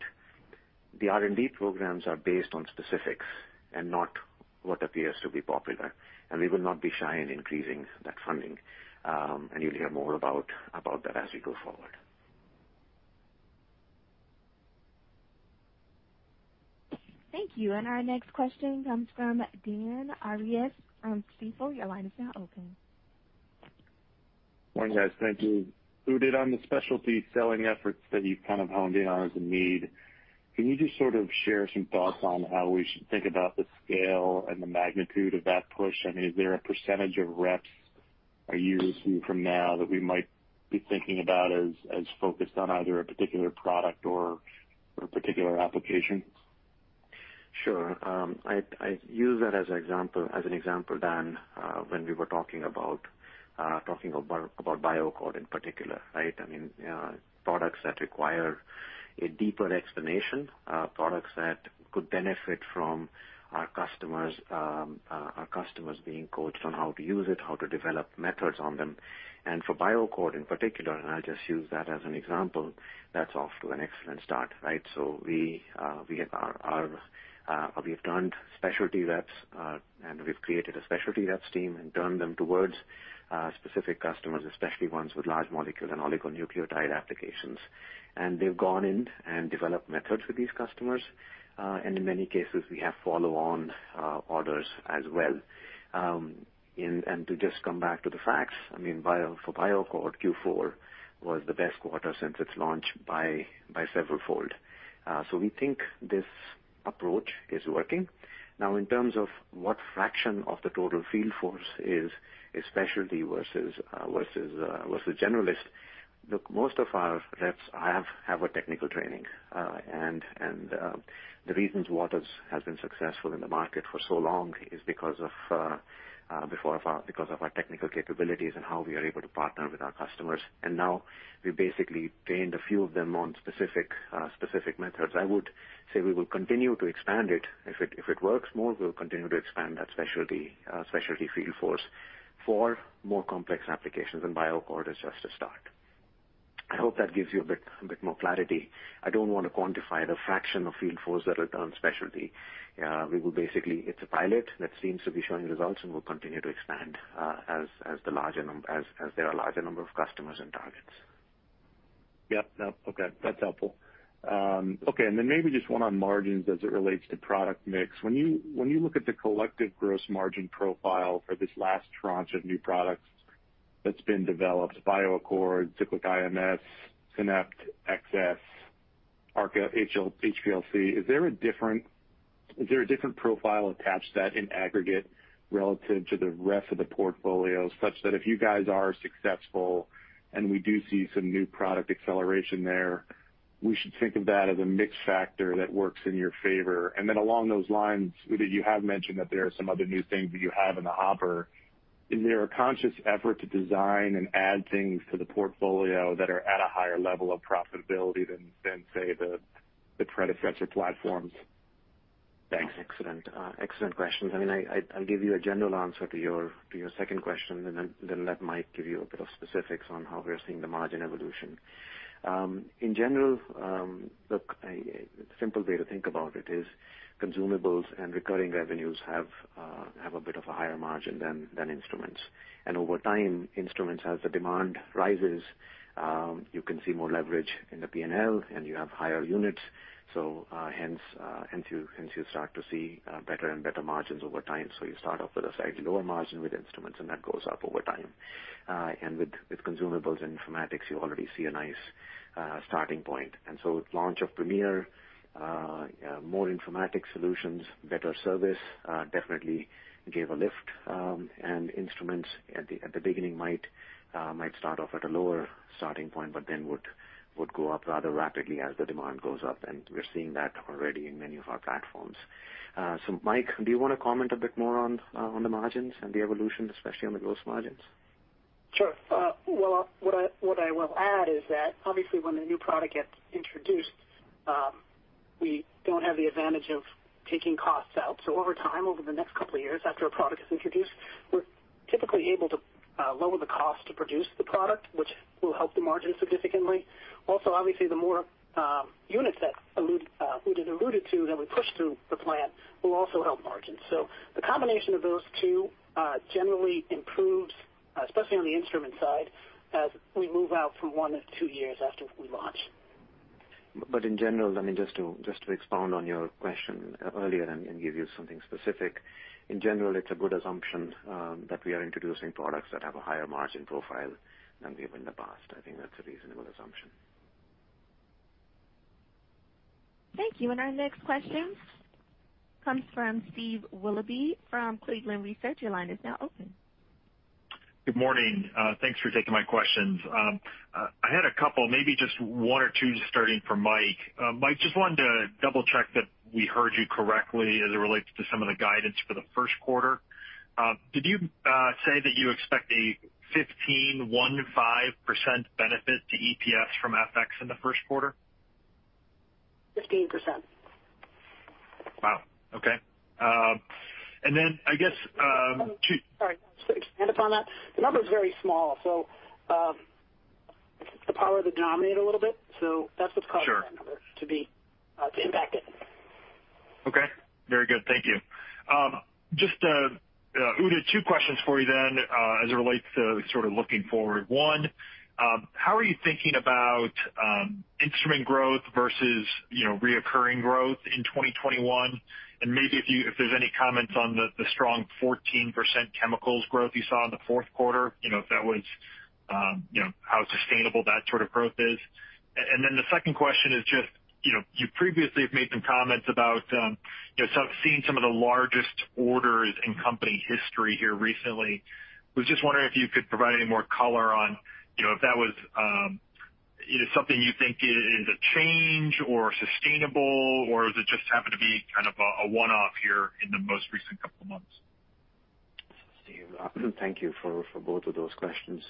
the R&D programs are based on specifics and not what appears to be popular, and we will not be shy in increasing that funding, and you'll hear more about that as we go forward. Thank you. And our next question comes from Your line is now open. Morning, guys. Thank you. Udit, on the specialty selling efforts that you've kind of honed in on as a need, can you just sort of share some thoughts on how we should think about the scale and the magnitude of that push? I mean, is there a percentage of reps are you seeing from now that we might be thinking about as focused on either a particular product or a particular application? Sure. I use that as an example then when we were talking about BioAccord in particular, right? I mean, products that require a deeper explanation, products that could benefit from our customers being coached on how to use it, how to develop methods on them. And for BioAccord in particular, and I'll just use that as an example, that's off to an excellent start, right? So we have turned specialty reps, and we've created a specialty reps team and turned them towards specific customers, especially ones with large molecule and oligonucleotide applications. And they've gone in and developed methods with these customers, and in many cases, we have follow-on orders as well. And to just come back to the facts, I mean, for BioAccord, Q4 was the best quarter since its launch by several fold. So we think this approach is working. Now, in terms of what fraction of the total field force is specialty versus generalist, look, most of our reps have a technical training, and the reasons Waters has been successful in the market for so long is because of our technical capabilities and how we are able to partner with our customers. And now we basically trained a few of them on specific methods. I would say we will continue to expand it. If it works more, we'll continue to expand that specialty field force for more complex applications, and BioAccord is just a start. I hope that gives you a bit more clarity. I don't want to quantify the fraction of field force that will turn specialty. It's a pilot that seems to be showing results, and we'll continue to expand as there are a larger number of customers and targets. Yep. Nope. Okay. That's helpful. Okay. And then maybe just one on margins as it relates to product mix. When you look at the collective gross margin profile for this last tranche of new products that's been developed, BioAccord, Cyclic IMS, Synapt XS, HPLC, is there a different profile attached to that in aggregate relative to the rest of the portfolio such that if you guys are successful and we do see some new product acceleration there, we should think of that as a mixed factor that works in your favor? And then along those lines, Udit, you have mentioned that there are some other new things that you have in the hopper. Is there a conscious effort to design and add things to the portfolio that are at a higher level of profitability than, say, the predecessor platforms? Thanks. Excellent questions. I mean, I'll give you a general answer to your second question, and then that might give you a bit of specifics on how we're seeing the margin evolution. In general, look, a simple way to think about it is consumables and recurring revenues have a bit of a higher margin than instruments. And over time, instruments, as the demand rises, you can see more leverage in the P&L, and you have higher units. So hence, you start to see better and better margins over time. So you start off with a slightly lower margin with instruments, and that goes up over time. And with consumables and informatics, you already see a nice starting point. And so launch of Premier, more informatics solutions, better service definitely gave a lift. Instruments at the beginning might start off at a lower starting point, but then would go up rather rapidly as the demand goes up, and we're seeing that already in many of our platforms. Mike, do you want to comment a bit more on the margins and the evolution, especially on the gross margins? Sure. What I will add is that obviously when a new product gets introduced, we don't have the advantage of taking costs out. Over time, over the next couple of years after a product is introduced, we're typically able to lower the cost to produce the product, which will help the margin significantly. Also, obviously, the more units that Udit alluded to that we push through the plant will also help margins. So the combination of those two generally improves, especially on the instrument side, as we move out from one to two years after we launch. But in general, I mean, just to expound on your question earlier and give you something specific, in general, it's a good assumption that we are introducing products that have a higher margin profile than we have in the past. I think that's a reasonable assumption. Thank you. And our next question comes fromch. Y Steve Willoughby from Cleveland Research line is now open. Good morning. Thanks for taking my questions. I had a couple, maybe just one or two starting from Mike. Mike, just wanted to double-check that we heard you correctly as it relates to some of the guidance for the first quarter. Did you say that you expect a 15.15% benefit to EPS from FX in the first quarter? 15%. Wow. Okay. And then I guess. Sorry. To expand upon that, the number is very small, so it's the power of the denominator a little bit. So that's what's causing that number to impact it. Okay. Very good. Thank you. Just, Udit, two questions for you then as it relates to sort of looking forward. One, how are you thinking about instrument growth versus recurring growth in 2021? And maybe if there's any comments on the strong 14% chemicals growth you saw in the fourth quarter, if that was how sustainable that sort of growth is. And then the second question is just you previously have made some comments about seeing some of the largest orders in company history here recently. I was just wondering if you could provide any more color on if that was something you think is a change or sustainable, or does it just happen to be kind of a one-off here in the most recent couple of months? Thank you for both of those questions.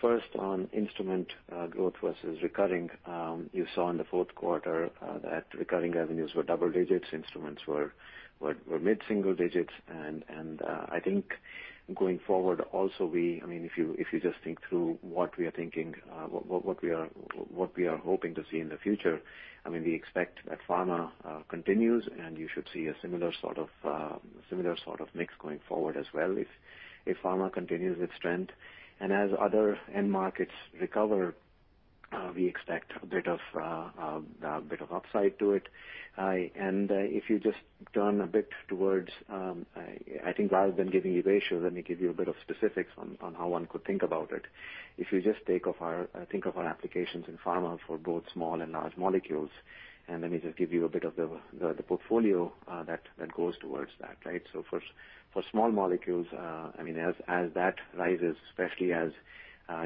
First, on instrument growth versus recurring, you saw in the fourth quarter that recurring revenues were double digits, instruments were mid-single digits. And I think going forward also, I mean, if you just think through what we are thinking, what we are hoping to see in the future, I mean, we expect that pharma continues, and you should see a similar sort of mix going forward as well if pharma continues its strength. And as other end markets recover, we expect a bit of upside to it. And if you just turn a bit towards, I think, while I've been giving you ratios, let me give you a bit of specifics on how one could think about it. If you just think of our applications in pharma for both small and large molecules, and let me just give you a bit of the portfolio that goes towards that, right? So for small molecules, I mean, as that rises, especially as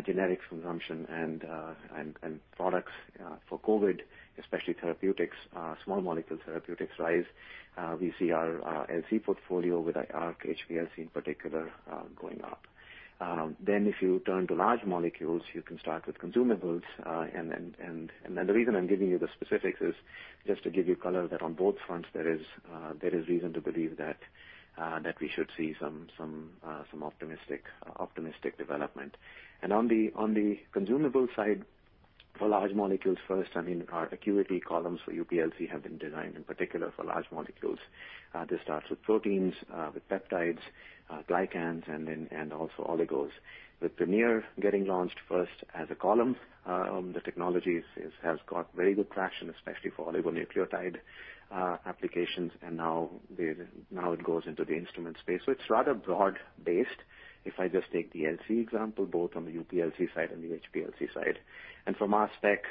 generic consumption and products for COVID, especially therapeutics, small molecule therapeutics rise, we see our LC portfolio with Arc HPLC in particular going up. Then if you turn to large molecules, you can start with consumables. And then the reason I'm giving you the specifics is just to give you color that on both fronts, there is reason to believe that we should see some optimistic development. And on the consumable side, for large molecules first, I mean, our ACQUITY columns for UPLC have been designed in particular for large molecules. This starts with proteins, with peptides, glycans, and also oligos. With Premier getting launched first as a column, the technology has got very good traction, especially for oligonucleotide applications, and now it goes into the instrument space. So it's rather broad-based if I just take the LC example, both on the UPLC side and the HPLC side. And from our perspective,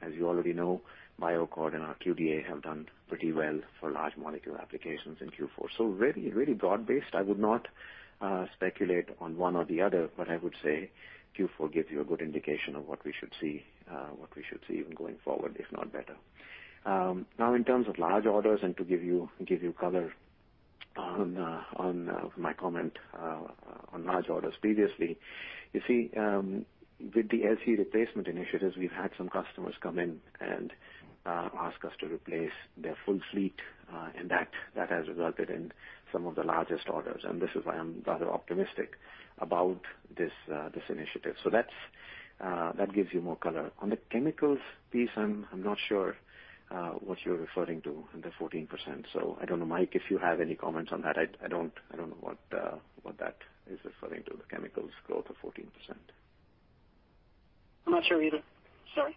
as you already know, BioAccord and our QDa have done pretty well for large molecule applications in Q4. So really broad-based. I would not speculate on one or the other, but I would say Q4 gives you a good indication of what we should see going forward, if not better. Now, in terms of large orders, and to give you color on my comment on large orders previously, you see, with the LC replacement initiatives, we've had some customers come in and ask us to replace their full fleet, and that has resulted in some of the largest orders. And this is why I'm rather optimistic about this initiative. So that gives you more color. On the chemicals piece, I'm not sure what you're referring to in the 14%. So I don't know, Mike, if you have any comments on that. I don't know what that is referring to, the chemicals growth of 14%. I'm not sure either. Sorry.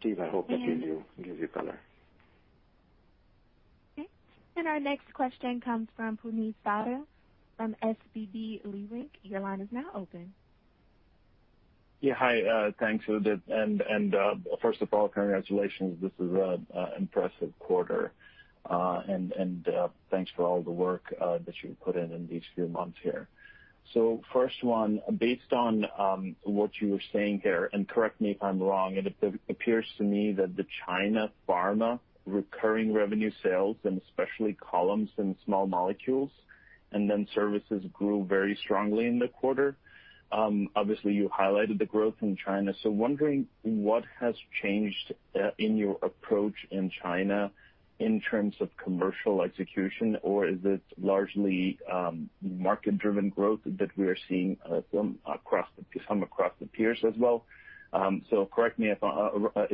Steve, I hope that gives you color.. Okay. And our next question comes from Puneet Souda from SVB Leerink. Your line is now open. Yeah. Hi. Thanks, Udit. And first of all, congratulations. This is an impressive quarter, and thanks for all the work that you've put in in these few months here. So first one, based on what you were saying here, and correct me if I'm wrong, it appears to me that the China pharma recurring revenue sales, and especially columns in small molecules, and then services grew very strongly in the quarter. Obviously, you highlighted the growth in China. So wondering what has changed in your approach in China in terms of commercial execution, or is it largely market-driven growth that we are seeing some across the peers as well? So correct me if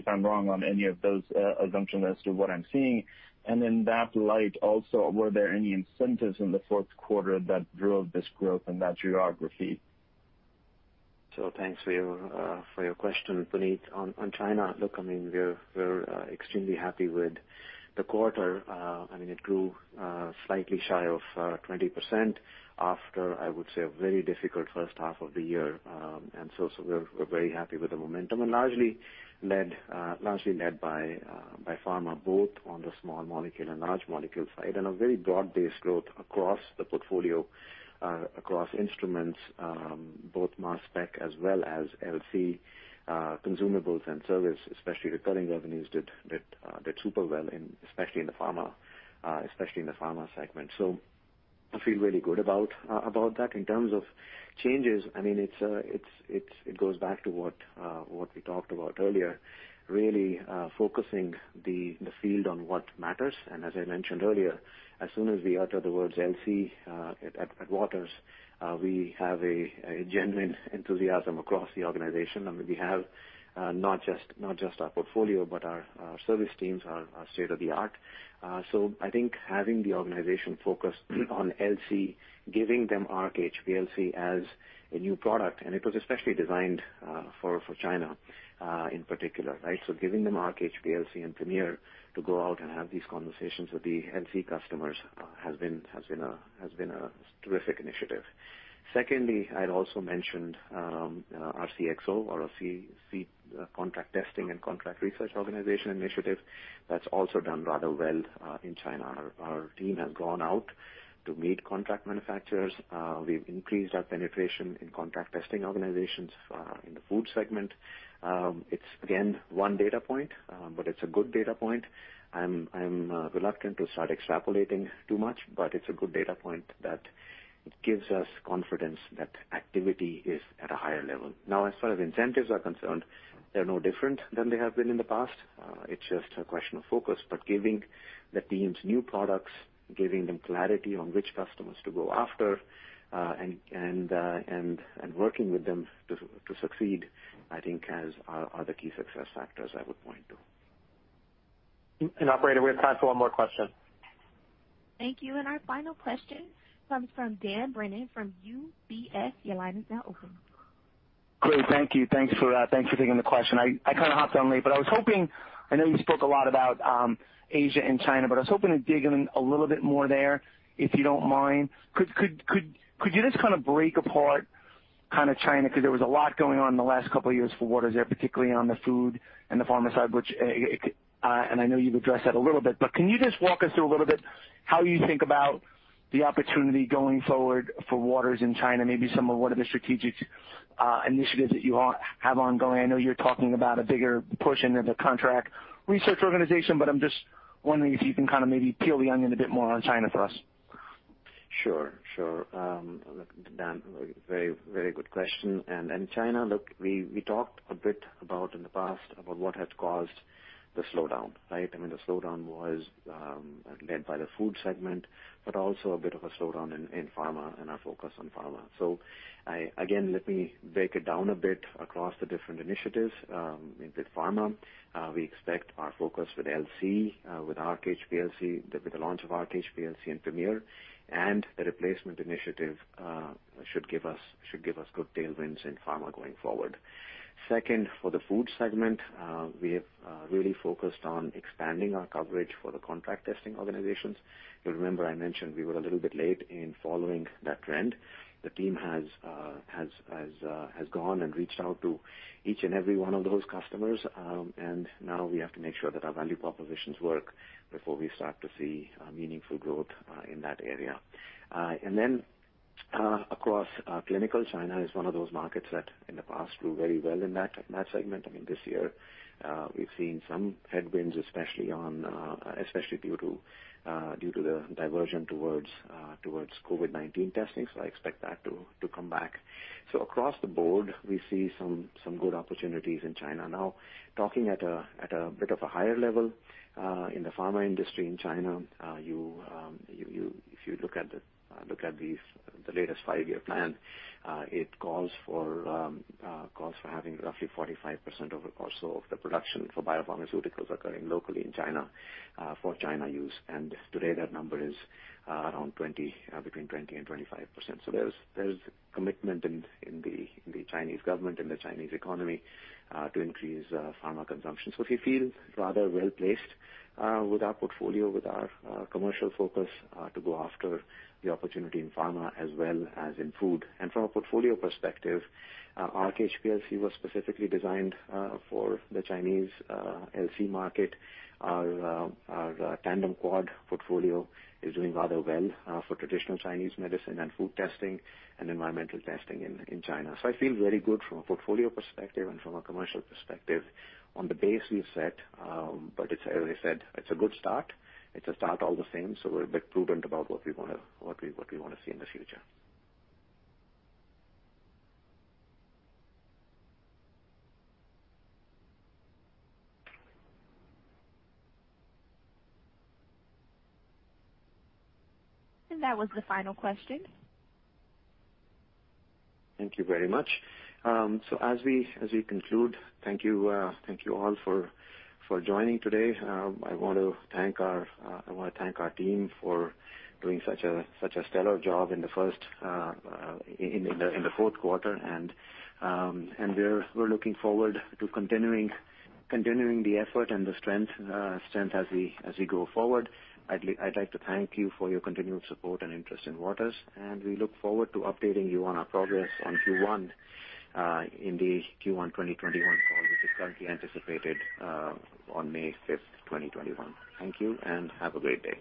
I'm wrong on any of those assumptions as to what I'm seeing. And in that light, also, were there any incentives in the fourth quarter that drove this growth in that geography? So thanks for your question, Puneet. On China, look, I mean, we're extremely happy with the quarter. I mean, it grew slightly shy of 20% after, I would say, a very difficult first half of the year, and so we're very happy with the momentum and largely led by pharma, both on the small molecule and large molecule side, and a very broad-based growth across the portfolio, across instruments, both mass spec as well as LC, consumables, and service, especially recurring revenues did super well, especially in the pharma segment, so I feel really good about that. In terms of changes, I mean, it goes back to what we talked about earlier, really focusing the field on what matters, and as I mentioned earlier, as soon as we utter the words LC at Waters, we have a genuine enthusiasm across the organization. I mean, we have not just our portfolio, but our service teams are state-of-the-art. So I think having the organization focused on LC, giving them Arc HPLC as a new product, and it was especially designed for China in particular, right? So giving them Arc HPLC, and Premier to go out and have these conversations with the LC customers has been a terrific initiative. Secondly, I'd also mentioned CRO, or a contract testing and contract research organization initiative that's also done rather well in China. Our team has gone out to meet contract manufacturers. We've increased our penetration in contract testing organizations in the food segment. It's, again, one data point, but it's a good data point. I'm reluctant to start extrapolating too much, but it's a good data point that gives us confidence that activity is at a higher level. Now, as far as incentives are concerned, they're no different than they have been in the past. It's just a question of focus. But giving the teams new products, giving them clarity on which customers to go after, and working with them to succeed, I think, are the key success factors I would point to. And operator, we have time for one more question. Thank you. And our final question comes from Dan Brennan from UBS. Your line is now open. Great. Thank you. Thanks for taking the question. I kind of hopped on late, but I was hoping. I know you spoke a lot about Asia and China, but I was hoping to dig in a little bit more there, if you don't mind. Could you just kind of break apart kind of China? Because there was a lot going on in the last couple of years for Waters there, particularly on the food and the pharma side, which I know you've addressed that a little bit. But can you just walk us through a little bit how you think about the opportunity going forward for Waters in China, maybe some of what are the strategic initiatives that you have ongoing? I know you're talking about a bigger push into the contract research organization, but I'm just wondering if you can kind of maybe peel the onion a bit more on China for us. Sure. Sure. Dan, very good question. And China, look, we talked a bit about in the past about what had caused the slowdown, right? I mean, the slowdown was led by the food segment, but also a bit of a slowdown in pharma and our focus on pharma. So again, let me break it down a bit across the different initiatives. With pharma, we expect our focus with LC, with Arc HPLC, with the launch of Arc HPLC, and Premier and the replacement initiative should give us good tailwinds in pharma going forward. Second, for the food segment, we have really focused on expanding our coverage for the contract testing organizations. You'll remember I mentioned we were a little bit late in following that trend. The team has gone and reached out to each and every one of those customers, and now we have to make sure that our value propositions work before we start to see meaningful growth in that area. And then across clinical, China is one of those markets that in the past grew very well in that segment. I mean, this year, we've seen some headwinds, especially due to the diversion towards COVID-19 testing. So I expect that to come back. Across the board, we see some good opportunities in China. Now, talking at a bit of a higher level in the pharma industry in China, if you look at the latest five-year plan, it calls for having roughly 45% or so of the production for biopharmaceuticals occurring locally in China for China use. And today, that number is around between 20%-25%. So there's commitment in the Chinese government and the Chinese economy to increase pharma consumption. So we feel rather well placed with our portfolio, with our commercial focus to go after the opportunity in pharma as well as in food. And from a portfolio perspective, Arc HPLC was specifically designed for the Chinese LC market. Our tandem quad portfolio is doing rather well for traditional Chinese medicine and food testing and environmental testing in China. I feel very good from a portfolio perspective and from a commercial perspective on the base we've set. But as I said, it's a good start. It's a start all the same. We're a bit prudent about what we want to see in the future. And that was the final question. Thank you very much. As we conclude, thank you all for joining today. I want to thank our team for doing such a stellar job in the fourth quarter. We're looking forward to continuing the effort and the strength as we go forward. I'd like to thank you for your continued support and interest in Waters. We look forward to updating you on our progress on Q1 in the Q1 2021 call, which is currently anticipated on May 5th, 2021. Thank you and have a great day.